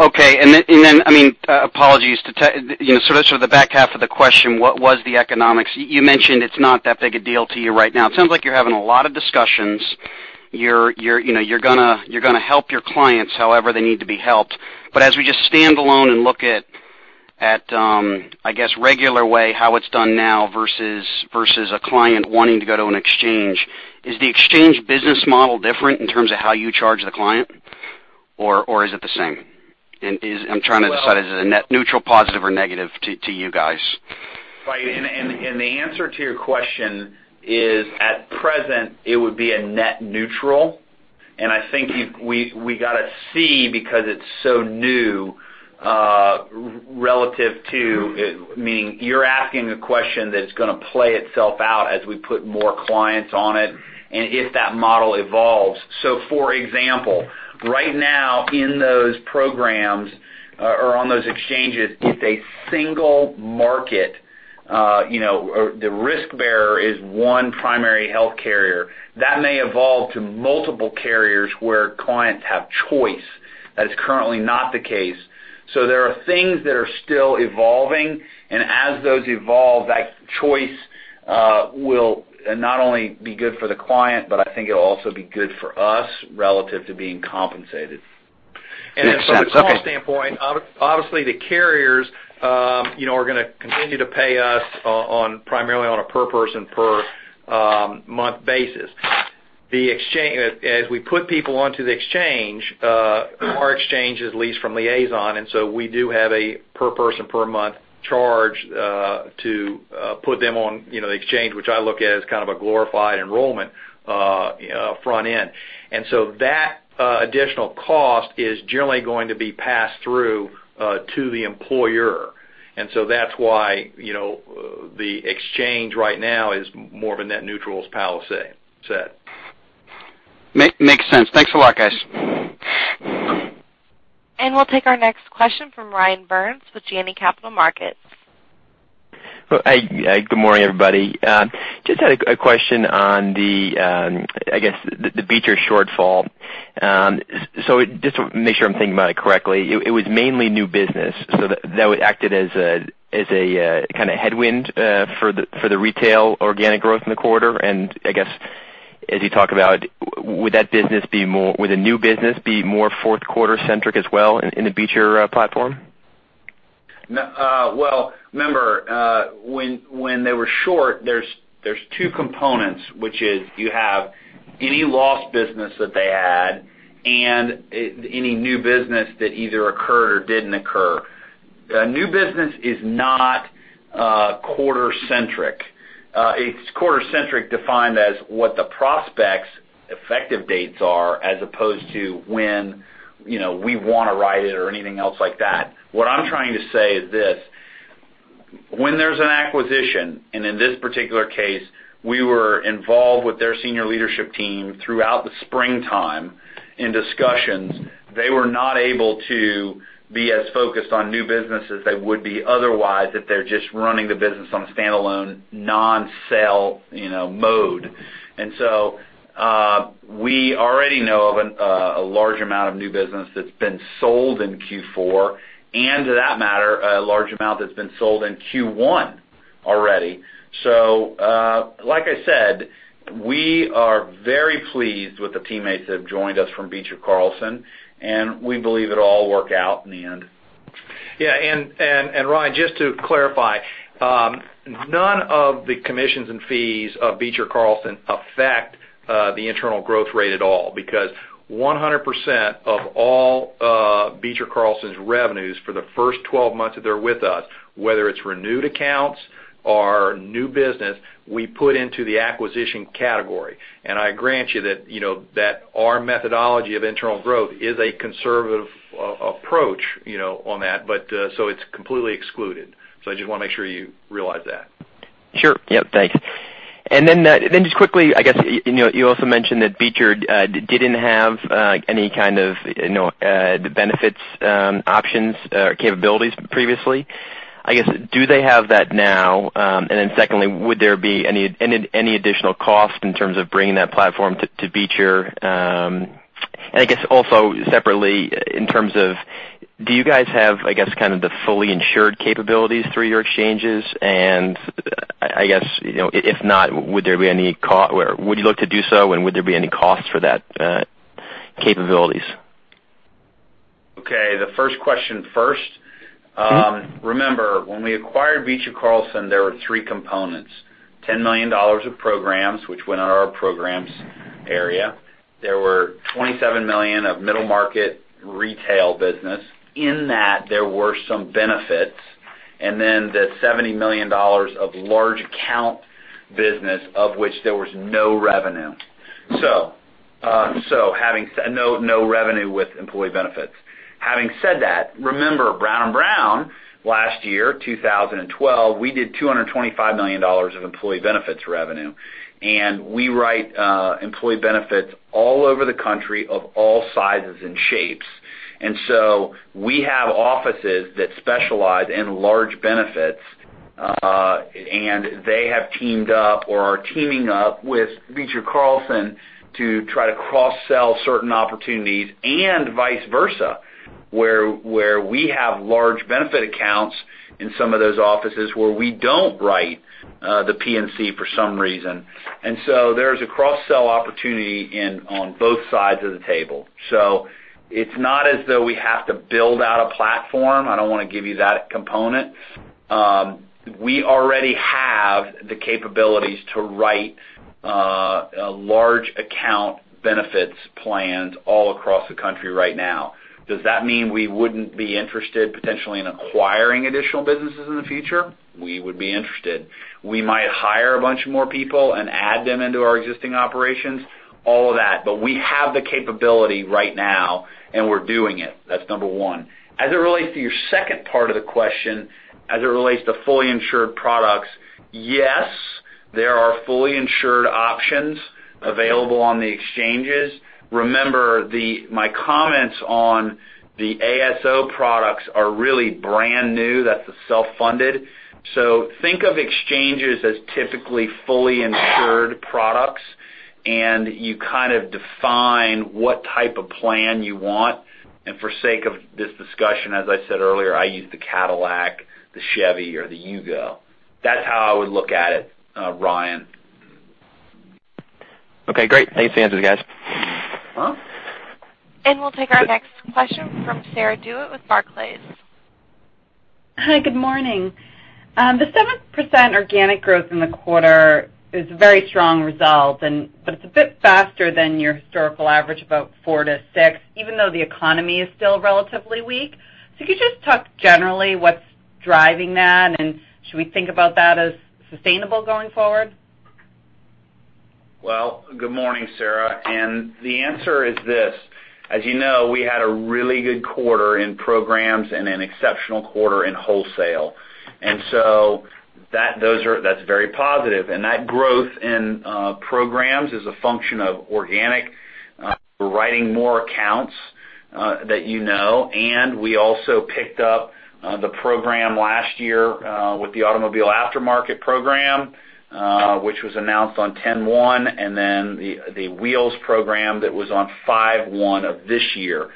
Okay. Apologies to the back half of the question, what was the economics? You mentioned it's not that big a deal to you right now. It sounds like you're having a lot of discussions. You're going to help your clients however they need to be helped. As we just stand alone and look at, I guess, regular way, how it's done now versus a client wanting to go to an exchange. Is the exchange business model different in terms of how you charge the client, or is it the same? I'm trying to decide, is it a net neutral, positive, or negative to you guys? The answer to your question is, at present, it would be a net neutral. I think we got to see because it's so new, relative to, meaning you're asking a question that's going to play itself out as we put more clients on it, and if that model evolves. For example, right now in those programs or on those exchanges, it's a single market. The risk bearer is one primary health carrier. That may evolve to multiple carriers where clients have choice. That is currently not the case. There are things that are still evolving, and as those evolve, that choice will not only be good for the client, but I think it'll also be good for us relative to being compensated. From a cost standpoint, obviously, the carriers are going to continue to pay us primarily on a per person, per month basis. As we put people onto the exchange, our exchange is leased from Liaison, we do have a per person per month charge to put them on the exchange, which I look at as kind of a glorified enrollment front end. That additional cost is generally going to be passed through to the employer. That's why the exchange right now is more of a net neutral as Powell said. Makes sense. Thanks a lot, guys. We'll take our next question from Ryan Byrnes with Janney Capital Markets. Hi, good morning, everybody. Just had a question on the, I guess, the Beecher shortfall. Just to make sure I'm thinking about it correctly, it was mainly new business, so that acted as a kind of headwind for the retail organic growth in the quarter. I guess, as you talk about, would the new business be more fourth quarter centric as well in the Beecher platform? Remember, when they were short, there's two components, which is you have any lost business that they had and any new business that either occurred or didn't occur. New business is not quarter centric. It's quarter centric defined as what the prospects' effective dates are as opposed to when we want to write it or anything else like that. What I'm trying to say is this, when there's an acquisition, and in this particular case, we were involved with their senior leadership team throughout the springtime in discussions. They were not able to be as focused on new business as they would be otherwise if they're just running the business on a standalone non-sale mode. We already know of a large amount of new business that's been sold in Q4, and to that matter, a large amount that's been sold in Q1 already. Like I said, we are very pleased with the teammates that have joined us from Beecher Carlson, and we believe it'll all work out in the end. Yeah. Ryan, just to clarify, none of the commissions and fees of Beecher Carlson affect The internal growth rate at all, because 100% of all Beecher Carlson's revenues for the first 12 months that they're with us, whether it's renewed accounts or new business, we put into the acquisition category. I grant you that our methodology of internal growth is a conservative approach on that. It's completely excluded. I just want to make sure you realize that. Sure. Yep, thanks. Just quickly, you also mentioned that Beecher didn't have any kind of benefits options or capabilities previously. Do they have that now? Secondly, would there be any additional cost in terms of bringing that platform to Beecher? Separately, in terms of, do you guys have, kind of the fully insured capabilities through your exchanges? If not, would you look to do so and would there be any costs for that capabilities? Okay. The first question first. Remember, when we acquired Beecher Carlson, there were three components, $10 million of programs, which went on our programs area. There were $27 million of middle market retail business. In that, there were some benefits, then the $70 million of large account business, of which there was no revenue. No revenue with employee benefits. Having said that, remember Brown & Brown, last year, 2012, we did $225 million of employee benefits revenue. We write employee benefits all over the country of all sizes and shapes. We have offices that specialize in large benefits, and they have teamed up or are teaming up with Beecher Carlson to try to cross-sell certain opportunities and vice versa, where we have large benefit accounts in some of those offices where we don't write the P&C for some reason. There's a cross-sell opportunity on both sides of the table. It's not as though we have to build out a platform. I don't want to give you that component. We already have the capabilities to write large account benefits plans all across the country right now. Does that mean we wouldn't be interested potentially in acquiring additional businesses in the future? We would be interested. We might hire a bunch more people and add them into our existing operations, all of that, but we have the capability right now, and we're doing it. That's number one. As it relates to your second part of the question, as it relates to fully insured products, yes, there are fully insured options available on the exchanges. Remember, my comments on the ASO products are really brand new. That's the self-funded. Think of exchanges as typically fully insured products, and you kind of define what type of plan you want, and for sake of this discussion, as I said earlier, I use the Cadillac, the Chevy, or the Yugo. That's how I would look at it, Ryan. Okay, great. Thanks for the answers, guys. We'll take our next question from Sarah DeWitt with Barclays. Hi, good morning. The 7% organic growth in the quarter is a very strong result, but it's a bit faster than your historical average, about 4%-6%, even though the economy is still relatively weak. Can you just talk generally what's driving that, and should we think about that as sustainable going forward? Well, good morning, Sarah. The answer is this. As you know, we had a really good quarter in programs and an exceptional quarter in wholesale. That's very positive, and that growth in programs is a function of organic. We're writing more accounts that you know, and we also picked up the program last year with the automobile aftermarket program, which was announced on 10/1, and then the Wheels program that was on 5/1 of this year.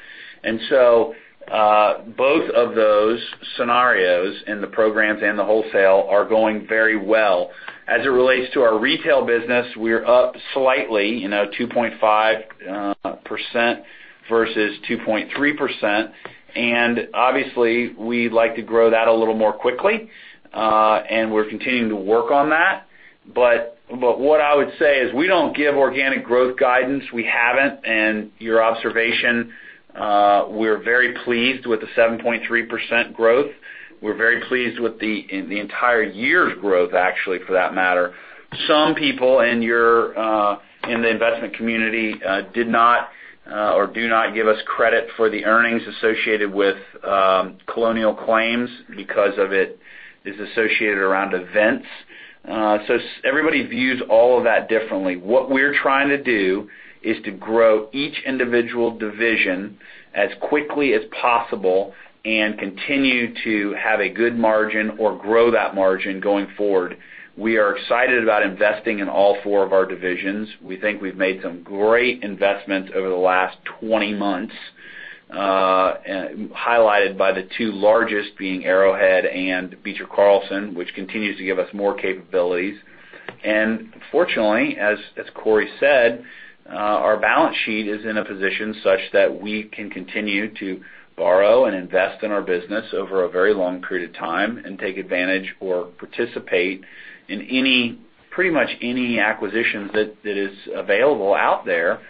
Both of those scenarios in the programs and the wholesale are going very well. As it relates to our retail business, we're up slightly, 2.5% versus 2.3%, and obviously, we'd like to grow that a little more quickly. We're continuing to work on that. What I would say is we don't give organic growth guidance. We haven't, and your observation, we're very pleased with the 7.3% growth. We're very pleased with the entire year's growth, actually, for that matter. Some people in the investment community did not or do not give us credit for the earnings associated with Colonial Claims because it is associated around events. Everybody views all of that differently. What we're trying to do is to grow each individual division as quickly as possible and continue to have a good margin or grow that margin going forward. We are excited about investing in all four of our divisions. We think we've made some great investments over the last 20 months, highlighted by the two largest being Arrowhead and Beecher Carlson, which continues to give us more capabilities. Fortunately, as Cory said, our balance sheet is in a position such that we can continue to borrow and invest in our business over a very long period of time and take advantage or participate in pretty much any acquisition that is available out there.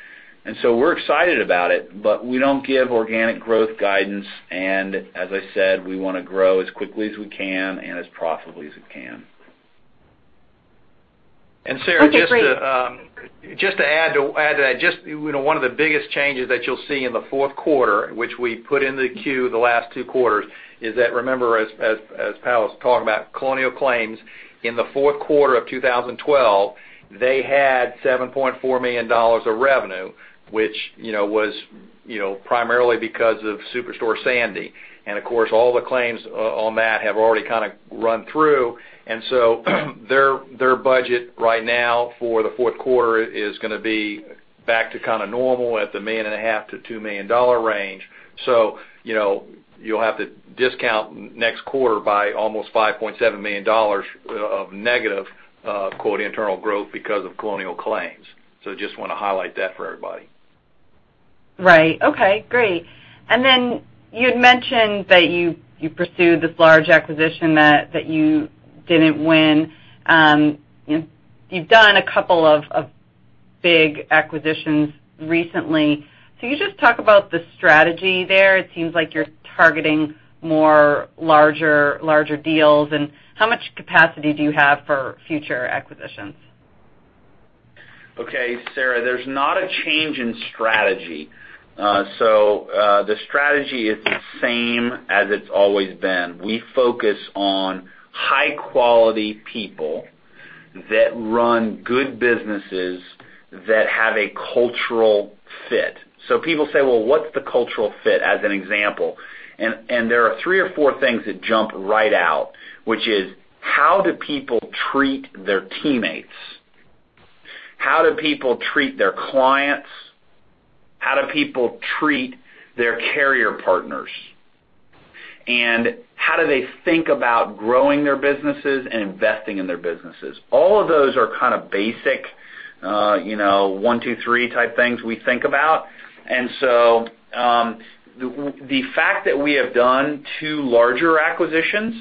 So we're excited about it, we don't give organic growth guidance, as I said, we want to grow as quickly as we can and as profitably as we can. Sarah, just to add to that, just one of the biggest changes that you'll see in the fourth quarter, which we put into the Q the last two quarters, is that, remember, as Powell was talking about Colonial Claims in the fourth quarter of 2012, they had $7.4 million of revenue, which was primarily because of Superstorm Sandy. Of course, all the claims on that have already kind of run through. Their budget right now for the fourth quarter is going to be back to kind of normal at the $1.5 million to $2 million range. You'll have to discount next quarter by almost $5.7 million of negative "internal growth" because of Colonial Claims. Just want to highlight that for everybody. Right. Okay, great. You had mentioned that you pursued this large acquisition that you didn't win. You've done a couple of big acquisitions recently. Can you just talk about the strategy there? It seems like you're targeting more larger deals. How much capacity do you have for future acquisitions? Okay. Sarah, there's not a change in strategy. The strategy is the same as it's always been. We focus on high-quality people that run good businesses that have a cultural fit. People say, "Well, what's the cultural fit?" As an example, there are three or four things that jump right out, which is, how do people treat their teammates? How do people treat their clients? How do people treat their carrier partners? How do they think about growing their businesses and investing in their businesses? All of those are kind of basic one, two, three type things we think about. The fact that we have done two larger acquisitions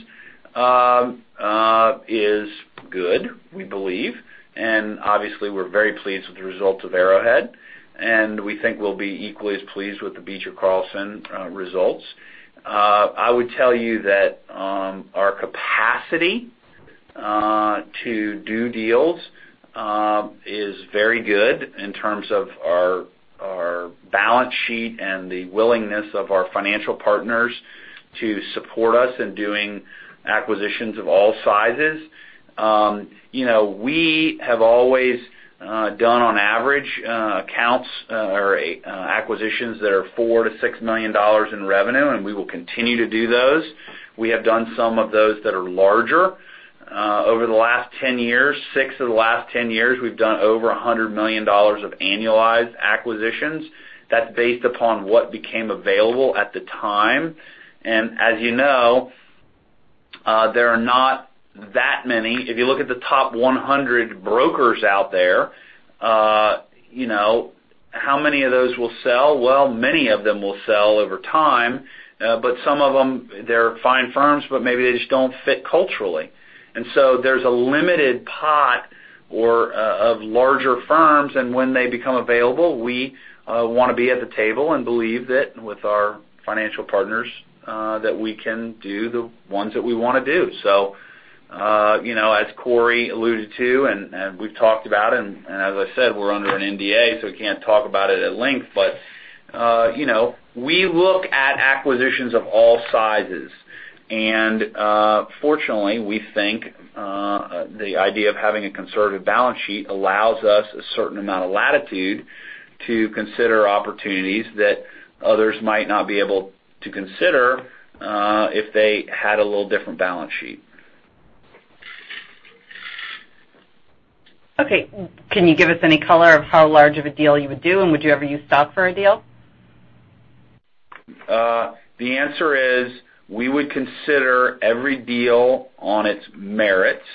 is good, we believe. Obviously, we're very pleased with the results of Arrowhead, and we think we'll be equally as pleased with the Beecher Carlson results. I would tell you that our capacity to do deals is very good in terms of our balance sheet and the willingness of our financial partners to support us in doing acquisitions of all sizes. We have always done, on average, accounts or acquisitions that are $4 million to $6 million in revenue, and we will continue to do those. We have done some of those that are larger. Over the last 10 years, six of the last 10 years, we've done over $100 million of annualized acquisitions. That's based upon what became available at the time. As you know, there are not that many. If you look at the top 100 brokers out there, how many of those will sell? Well, many of them will sell over time. Some of them, they're fine firms, but maybe they just don't fit culturally. There's a limited pot of larger firms, and when they become available, we want to be at the table and believe that with our financial partners, that we can do the ones that we want to do. As Cory alluded to, and we've talked about, and as I said, we're under an NDA, so we can't talk about it at length, but we look at acquisitions of all sizes. Fortunately, we think the idea of having a conservative balance sheet allows us a certain amount of latitude to consider opportunities that others might not be able to consider if they had a little different balance sheet. Okay. Can you give us any color of how large of a deal you would do, and would you ever use stock for a deal? The answer is we would consider every deal on its merits.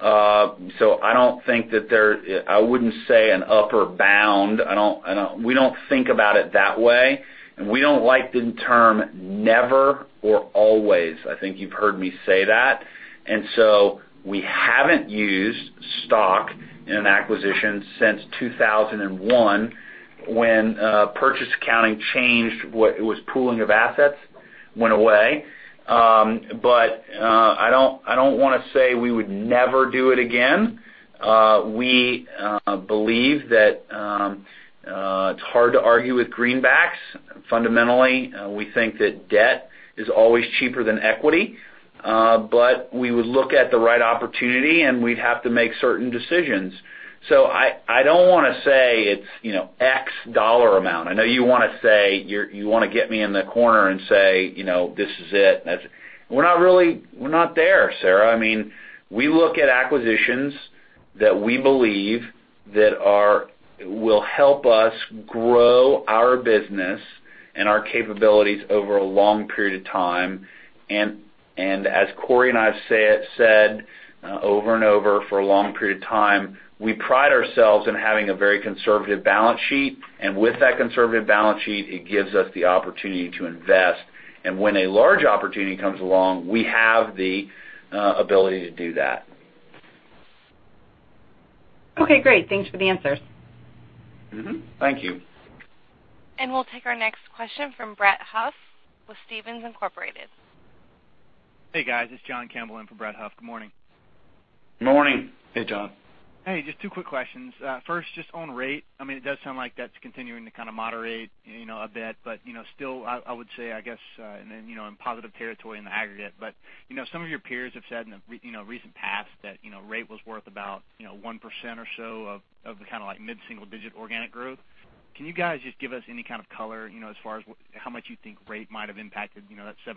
I wouldn't say an upper bound. We don't think about it that way, and we don't like the term never or always. I think you've heard me say that. We haven't used stock in an acquisition since 2001 when purchase accounting changed, it was pooling of assets went away. I don't want to say we would never do it again. We believe that it's hard to argue with greenbacks. Fundamentally, we think that debt is always cheaper than equity. We would look at the right opportunity, and we'd have to make certain decisions. I don't want to say it's X dollar amount. I know you want to get me in the corner and say, "This is it." We're not there, Sarah. We look at acquisitions that we believe that will help us grow our business and our capabilities over a long period of time. As Cory and I have said over and over for a long period of time, we pride ourselves in having a very conservative balance sheet. With that conservative balance sheet, it gives us the opportunity to invest. When a large opportunity comes along, we have the ability to do that. Okay, great. Thanks for the answers. Thank you. We'll take our next question from Brett Huff with Stephens Inc. Hey, guys. It's John Campbell in for Brett Huff. Good morning. Morning. Hey, John. Hey, just two quick questions. First, just on rate. It does sound like that's continuing to moderate a bit, but still, I would say, I guess, in positive territory in the aggregate. Some of your peers have said in the recent past that rate was worth about 1% or so of the mid-single digit organic growth. Can you guys just give us any kind of color, as far as how much you think rate might have impacted that 7%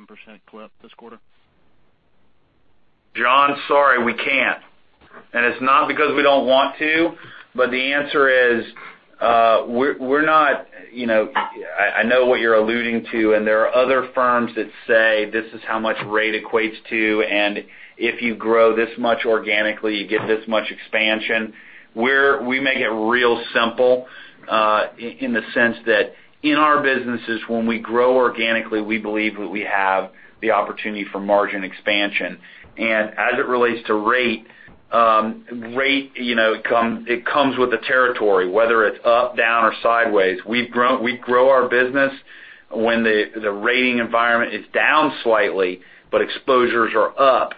clip this quarter? John, sorry, we can't. It's not because we don't want to, but the answer is, I know what you're alluding to, there are other firms that say, "This is how much rate equates to, and if you grow this much organically, you get this much expansion." We make it real simple in the sense that in our businesses, when we grow organically, we believe that we have the opportunity for margin expansion. As it relates to rate, it comes with the territory, whether it's up, down, or sideways. We grow our business when the rating environment is down slightly, but exposures are up.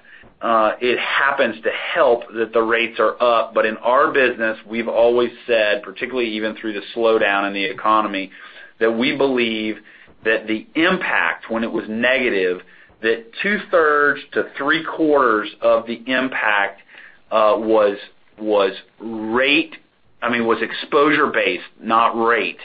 It happens to help that the rates are up. In our business, we've always said, particularly even through the slowdown in the economy, that we believe that the impact, when it was negative, that two-thirds to three-quarters of the impact was exposure-based, not rate.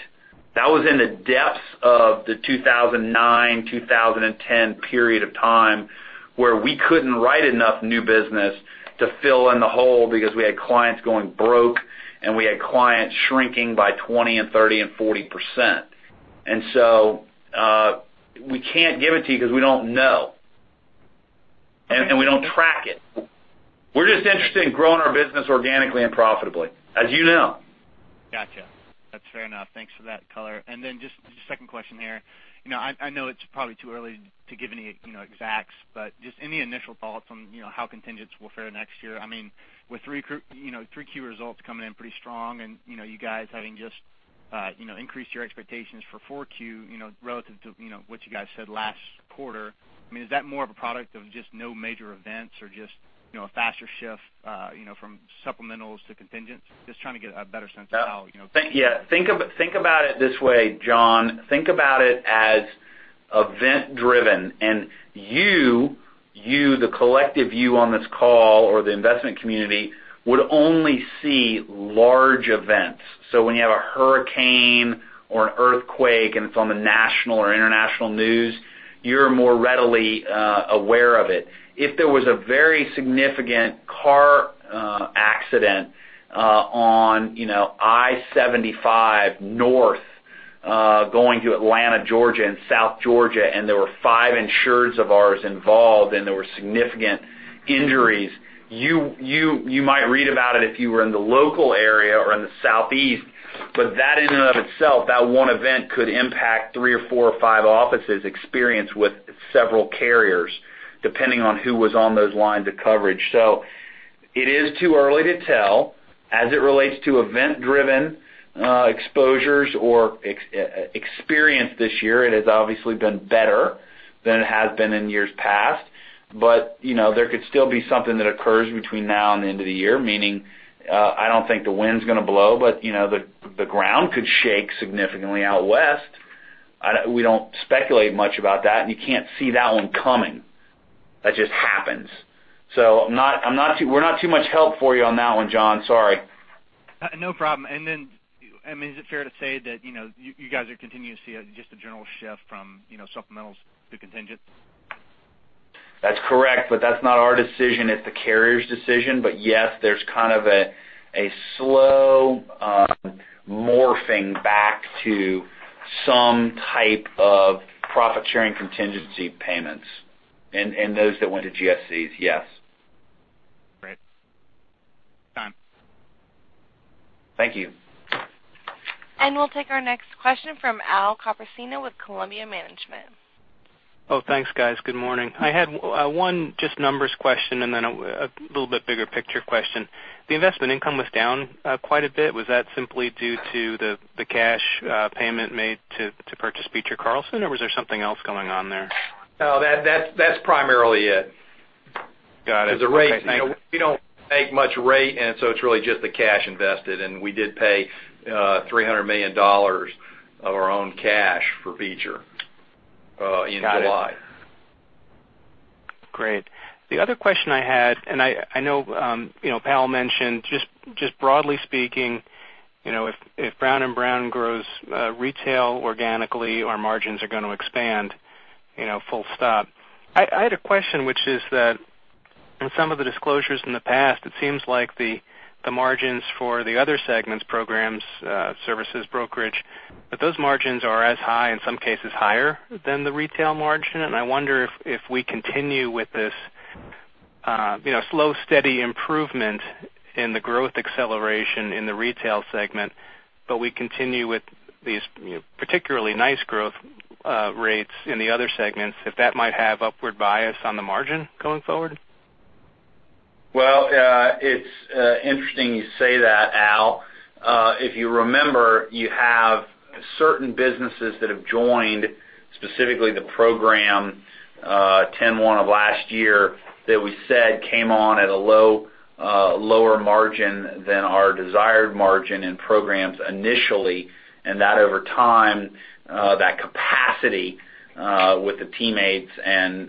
That was in the depths of the 2009-2010 period of time, where we couldn't write enough new business to fill in the hole because we had clients going broke, and we had clients shrinking by 20% and 30% and 40%. We can't give it to you because we don't know. We don't track it. We're just interested in growing our business organically and profitably, as you know. Got you. That's fair enough. Thanks for that color. Just a second question here. I know it's probably too early to give any exacts, but just any initial thoughts on how contingents will fare next year. With 3Q results coming in pretty strong and you guys having just increased your expectations for 4Q, relative to what you guys said last quarter, is that more of a product of just no major events or just a faster shift from supplementals to contingents? Yeah. Think about it this way, John. Think about it as event-driven, you, the collective you on this call or the investment community, would only see large events. When you have a hurricane or an earthquake, and it's on the national or international news, you're more readily aware of it. If there was a very significant car accident on I-75 North going to Atlanta, Georgia, and South Georgia, and there were five insureds of ours involved, and there were significant injuries, you might read about it if you were in the local area or in the Southeast. That in and of itself, that one event could impact three or four or five offices' experience with several carriers, depending on who was on those lines of coverage. It is too early to tell. As it relates to event-driven exposures or experience this year, it has obviously been better than it has been in years past. There could still be something that occurs between now and the end of the year, meaning I don't think the wind's going to blow, but the ground could shake significantly out West. We don't speculate much about that, you can't see that one coming. That just happens. We're not too much help for you on that one, John. Sorry. No problem. Is it fair to say that you guys are continuing to see just a general shift from supplementals to contingent? That's correct, that's not our decision. It's the carrier's decision. Yes, there's kind of a slow morphing back to some type of profit-sharing contingency payments. Those that went to GSCs, yes. Great. Done. Thank you. We'll take our next question from Al Copersino with Columbia Management. Oh, thanks, guys. Good morning. I had one just numbers question and then a little bit bigger picture question. The investment income was down quite a bit. Was that simply due to the cash payment made to purchase Beecher Carlson, or was there something else going on there? No, that's primarily it. Got it. Okay. The rate, we don't make much rate, it's really just the cash invested, we did pay $300 million of our own cash for Beecher in July. Got it. Great. The other question I had, I know Al mentioned, just broadly speaking, if Brown & Brown grows retail organically, our margins are going to expand, full stop. I had a question, which is that in some of the disclosures in the past, it seems like the margins for the other segments, programs, services, brokerage, that those margins are as high, in some cases higher, than the retail margin. I wonder if we continue with this slow, steady improvement in the growth acceleration in the retail segment, but we continue with these particularly nice growth rates in the other segments, if that might have upward bias on the margin going forward? Well, it's interesting you say that, Al. If you remember, you have certain businesses that have joined, specifically the program 10/1 of last year, that we said came on at a lower margin than our desired margin in programs initially, that over time, that capacity with the teammates and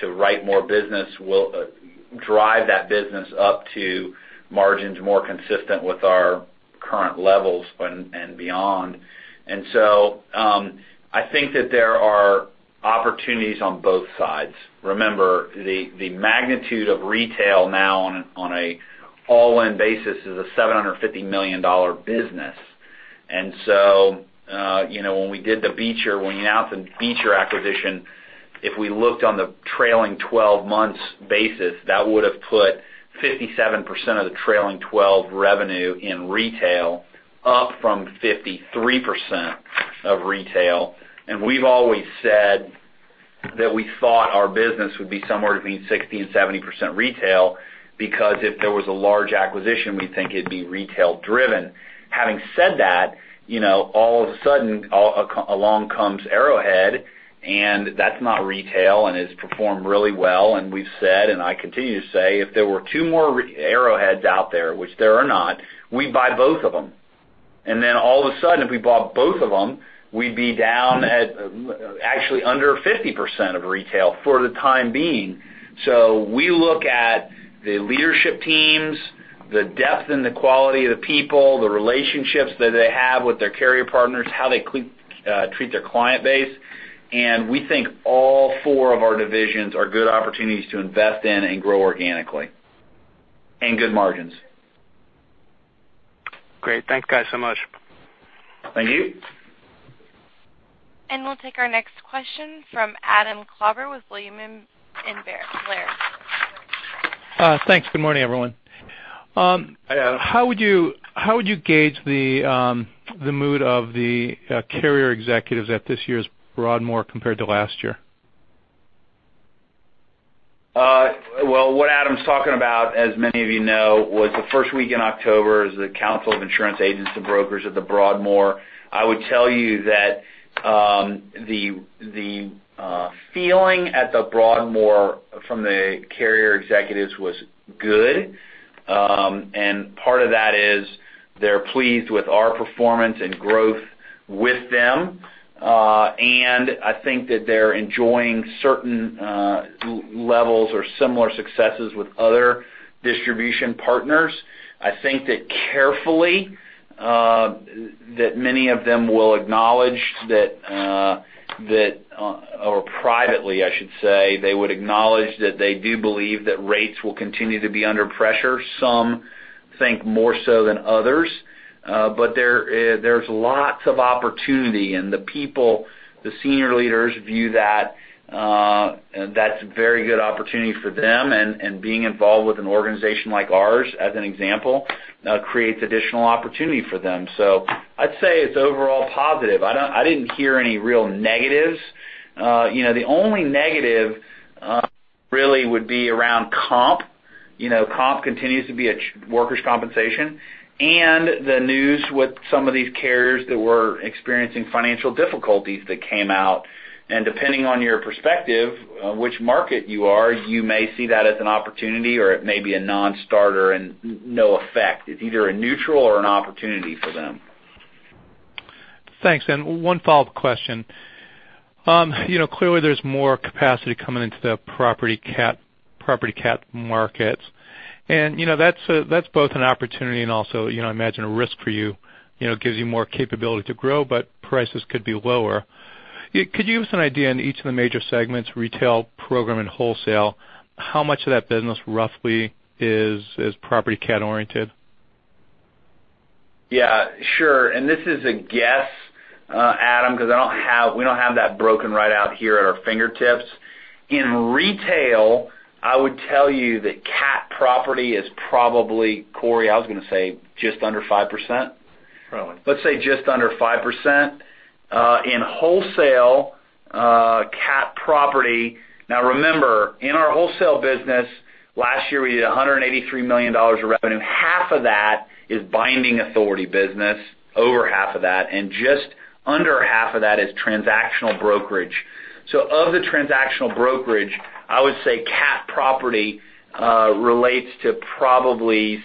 to write more business will drive that business up to margins more consistent with our current levels and beyond. I think that there are opportunities on both sides. Remember, the magnitude of retail now on an all-in basis is a $750 million business. When we announced the Beecher acquisition, if we looked on the trailing 12-months basis, that would've put 57% of the trailing 12 revenue in retail up from 53% of retail. We've always said that we thought our business would be somewhere between 60%-70% retail, because if there was a large acquisition, we think it'd be retail driven. Having said that, all of a sudden, along comes Arrowhead, that's not retail, it's performed really well. We've said, and I continue to say, if there were two more Arrowheads out there, which there are not, we'd buy both of them. All of a sudden, if we bought both of them, we'd be down at actually under 50% of retail for the time being. We look at the leadership teams, the depth and the quality of the people, the relationships that they have with their carrier partners, how they treat their client base, we think all four of our divisions are good opportunities to invest in and grow organically, good margins. Great. Thank you guys so much. Thank you. We'll take our next question from Adam Klauber with William Blair. Thanks. Good morning, everyone. Hi, Adam. How would you gauge the mood of the carrier executives at this year's Broadmoor compared to last year? What Adam's talking about, as many of you know, was the first week in October is the Council of Insurance Agents & Brokers at the Broadmoor. I would tell you that the feeling at the Broadmoor from the carrier executives was good. Part of that is they're pleased with our performance and growth with them. I think that they're enjoying certain levels or similar successes with other distribution partners. I think that carefully, that many of them will acknowledge that, or privately, I should say, they would acknowledge that they do believe that rates will continue to be under pressure. Some think more so than others. There's lots of opportunity, and the people, the senior leaders view that that's a very good opportunity for them. Being involved with an organization like ours, as an example, creates additional opportunity for them. I'd say it's overall positive. I didn't hear any real negatives. The only negative really would be around comp. Comp continues to be a worker's compensation, and the news with some of these carriers that were experiencing financial difficulties that came out. Depending on your perspective, which market you are, you may see that as an opportunity, or it may be a non-starter and no effect. It's either a neutral or an opportunity for them. Thanks. One follow-up question. Clearly, there's more capacity coming into the property CAT markets. That's both an opportunity and also I imagine a risk for you. It gives you more capability to grow, but prices could be lower. Could you give us an idea in each of the major segments, retail, program, and wholesale, how much of that business roughly is property CAT oriented? Yeah, sure. This is a guess, Adam, because we don't have that broken right out here at our fingertips. In retail, I would tell you that CAT property is probably, Cory, just under 5%? Probably. Let's say just under 5%. In wholesale, CAT property. Now remember, in our wholesale business, last year we did $183 million of revenue. Half of that is binding authority business, over half of that, just under half of that is transactional brokerage. Of the transactional brokerage, I would say CAT property relates to probably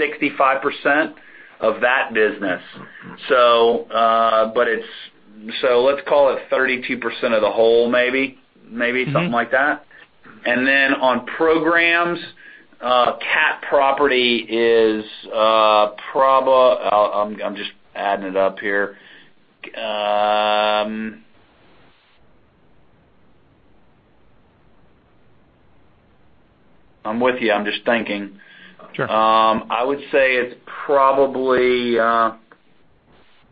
65% of that business. Let's call it 32% of the whole maybe, something like that. On programs, cat property. I'm just adding it up here. I'm with you. I'm just thinking. Sure. I would say it's probably,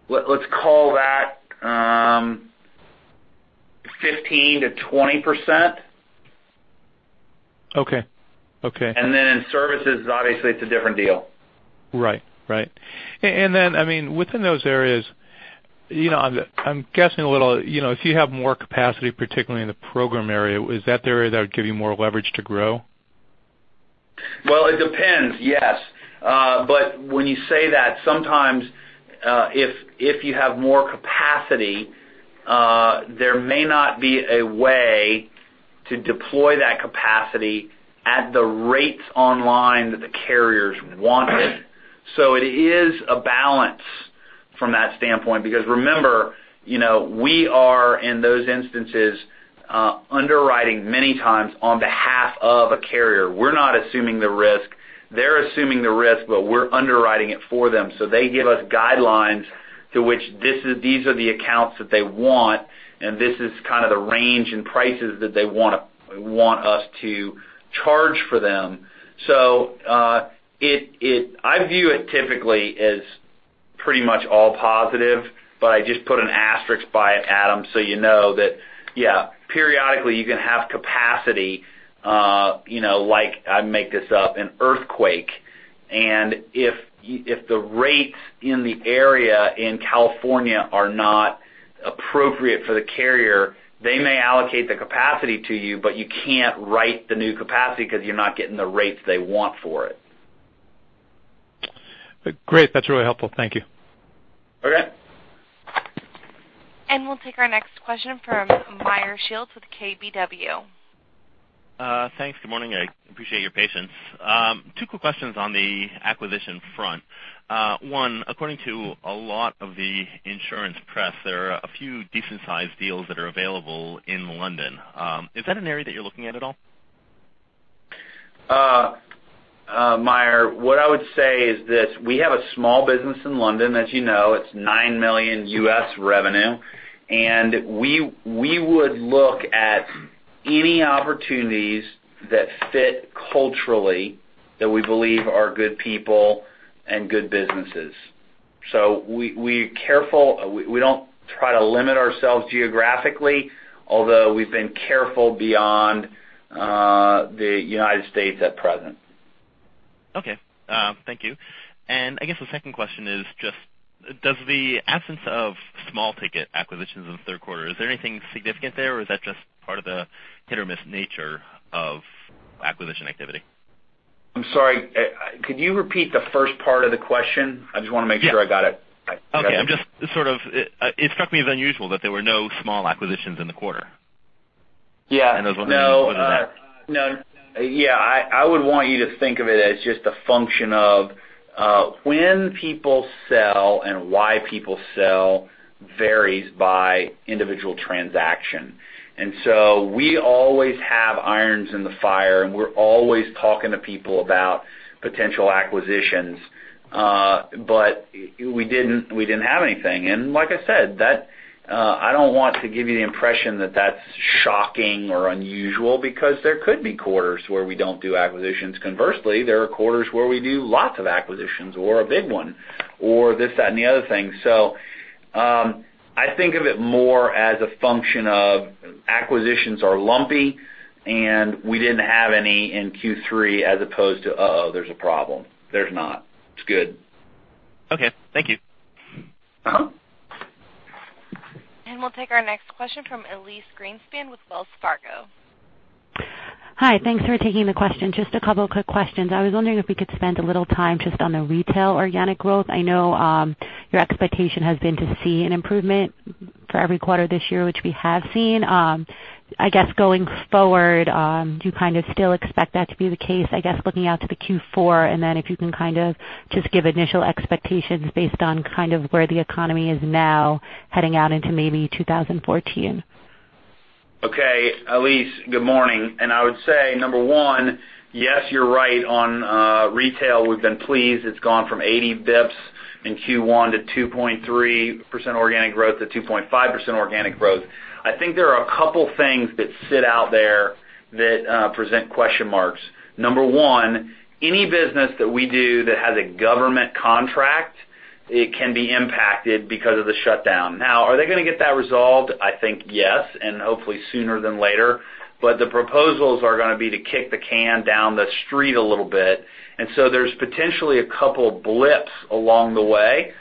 let's call that 15%-20%. Okay. In services, obviously it's a different deal. Right. Within those areas, I'm guessing a little, if you have more capacity, particularly in the program area, is that the area that would give you more leverage to grow? Well, it depends, yes. When you say that, sometimes, if you have more capacity, there may not be a way to deploy that capacity at the rates online that the carriers wanted. It is a balance from that standpoint, because remember, we are, in those instances, underwriting many times on behalf of a carrier. We're not assuming the risk. They're assuming the risk, but we're underwriting it for them. They give us guidelines to which these are the accounts that they want, and this is kind of the range and prices that they want us to charge for them. I view it typically as pretty much all positive, but I just put an asterisk by it, Adam, so you know that, periodically you can have capacity, like, I make this up, an earthquake. If the rates in the area in California are not appropriate for the carrier, they may allocate the capacity to you can't write the new capacity because you're not getting the rates they want for it. Great. That's really helpful. Thank you. Okay. We'll take our next question from Meyer Shields with KBW. Thanks. Good morning. I appreciate your patience. Two quick questions on the acquisition front. One, according to a lot of the insurance press, there are a few decent-sized deals that are available in London. Is that an area that you're looking at all? Meyer, what I would say is this, we have a small business in London, as you know. It's $9 million U.S. revenue. We would look at any opportunities that fit culturally that we believe are good people and good businesses. We're careful. We don't try to limit ourselves geographically, although we've been careful beyond the United States at present. Okay. Thank you. I guess the second question is just, does the absence of small-ticket acquisitions in the third quarter, is there anything significant there, or is that just part of the hit-or-miss nature of acquisition activity? I'm sorry. Could you repeat the first part of the question? I just want to make sure I got it. Okay. It struck me as unusual that there were no small acquisitions in the quarter. Yeah. I was wondering- No. -what that meant. Yeah. I would want you to think of it as just a function of when people sell and why people sell varies by individual transaction. We always have irons in the fire, and we're always talking to people about potential acquisitions. We didn't have anything. Like I said, I don't want to give you the impression that that's shocking or unusual because there could be quarters where we don't do acquisitions. Conversely, there are quarters where we do lots of acquisitions or a big one or this, that, and the other thing. I think of it more as a function of acquisitions are lumpy, and we didn't have any in Q3 as opposed to, uh-oh, there's a problem. There's not. It's good. Okay. Thank you. We'll take our next question from Elyse Greenspan with Wells Fargo. Hi. Thanks for taking the question. Just a couple of quick questions. I was wondering if we could spend a little time just on the retail organic growth. I know your expectation has been to see an improvement for every quarter this year, which we have seen. I guess going forward, do you kind of still expect that to be the case, I guess looking out to the Q4? Then if you can kind of just give initial expectations based on kind of where the economy is now heading out into maybe 2014. Okay. Elyse, good morning. I would say, number one, yes, you're right on retail. We've been pleased. It's gone from 80 bips in Q1 to 2.3% organic growth to 2.5% organic growth. I think there are a couple things that sit out there that present question marks. Number one, any business that we do that has a government contract, it can be impacted because of the shutdown. Now are they going to get that resolved? I think yes, and hopefully sooner than later. The proposals are going to be to kick the can down the street a little bit. So there's potentially a couple blips along the way.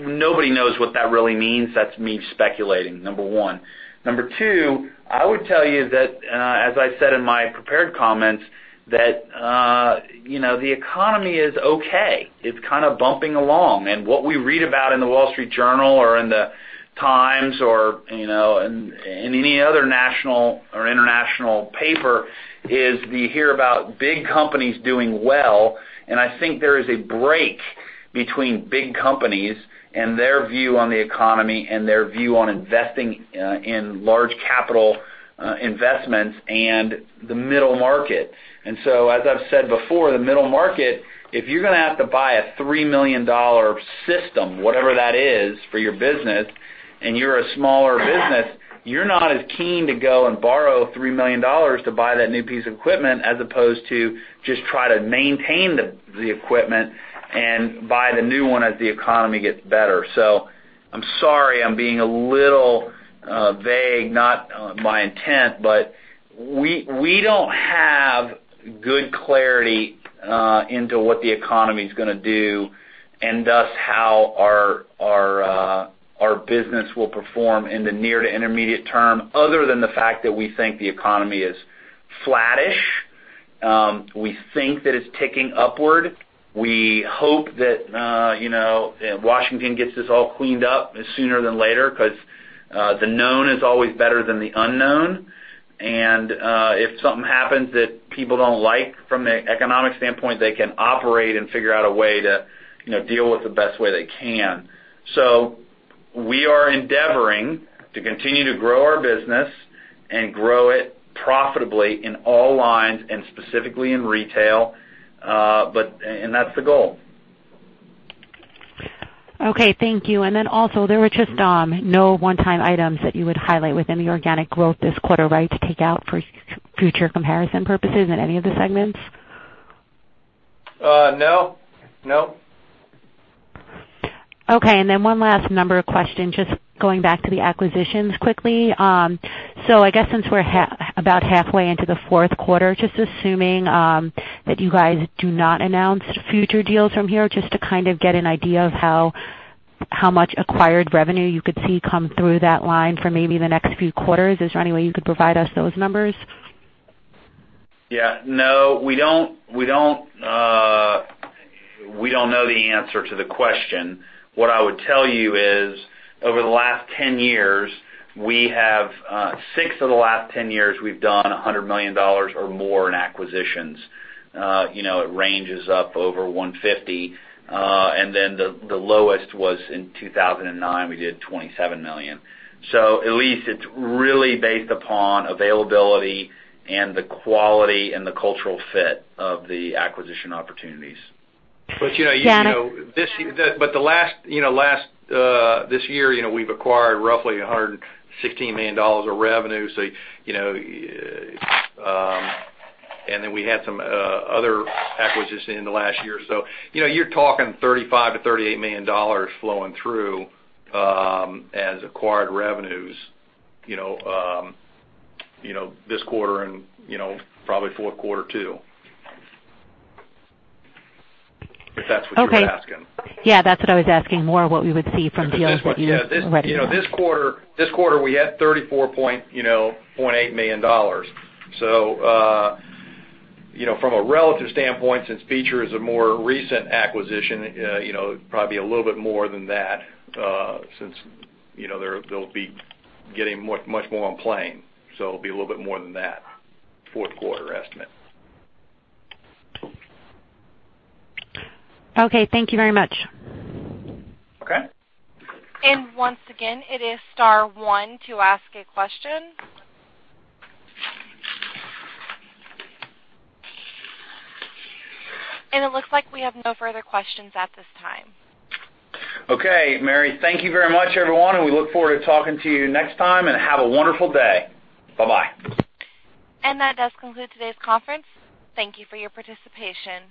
Nobody knows what that really means. That's me speculating, number one. Number two, I would tell you that, as I said in my prepared comments, that the economy is okay. It's kind of bumping along. What we read about in The Wall Street Journal or in The Times or, in any other national or international paper is you hear about big companies doing well, and I think there is a break between big companies and their view on the economy and their view on investing in large capital investments and the middle market. As I've said before, the middle market, if you're going to have to buy a $3 million system, whatever that is, for your business, and you're a smaller business, you're not as keen to go and borrow $3 million to buy that new piece of equipment as opposed to just try to maintain the equipment and buy the new one as the economy gets better. I'm sorry I'm being a little vague. Not my intent. We don't have good clarity into what the economy's going to do, and thus how our business will perform in the near to intermediate term, other than the fact that we think the economy is flattish. We think that it's ticking upward. We hope that Washington gets this all cleaned up sooner than later, because the known is always better than the unknown. If something happens that people don't like from an economic standpoint, they can operate and figure out a way to deal with the best way they can. We are endeavoring to continue to grow our business and grow it profitably in all lines, and specifically in retail. That's the goal. Okay, thank you. Also, there were just no one-time items that you would highlight within the organic growth this quarter, right, to take out for future comparison purposes in any of the segments? No. Okay, one last number question, just going back to the acquisitions quickly. I guess since we're about halfway into the fourth quarter, just assuming that you guys do not announce future deals from here, just to kind of get an idea of how much acquired revenue you could see come through that line for maybe the next few quarters. Is there any way you could provide us those numbers? We don't know the answer to the question. What I would tell you is, over the last 10 years, six of the last 10 years, we've done $100 million or more in acquisitions. It ranges up over 150, and the lowest was in 2009, we did $27 million. Elyse, it's really based upon availability and the quality and the cultural fit of the acquisition opportunities. This year, we've acquired roughly $116 million of revenue. We had some other acquisitions in the last year or so. You're talking $35 million-$38 million flowing through as acquired revenues this quarter and probably fourth quarter, too. If that's what you were asking. Yeah, that's what I was asking, more what we would see from deals that you already have. This quarter, we had $34.8 million. From a relative standpoint, since Beecher Carlson is a more recent acquisition, probably a little bit more than that, since they'll be getting much more on plane. It'll be a little bit more than that fourth quarter estimate. Okay, thank you very much. Okay. Once again, it is star one to ask a question. It looks like we have no further questions at this time. Okay, Mary. Thank you very much, everyone. We look forward to talking to you next time. Have a wonderful day. Bye-bye. That does conclude today's conference. Thank you for your participation.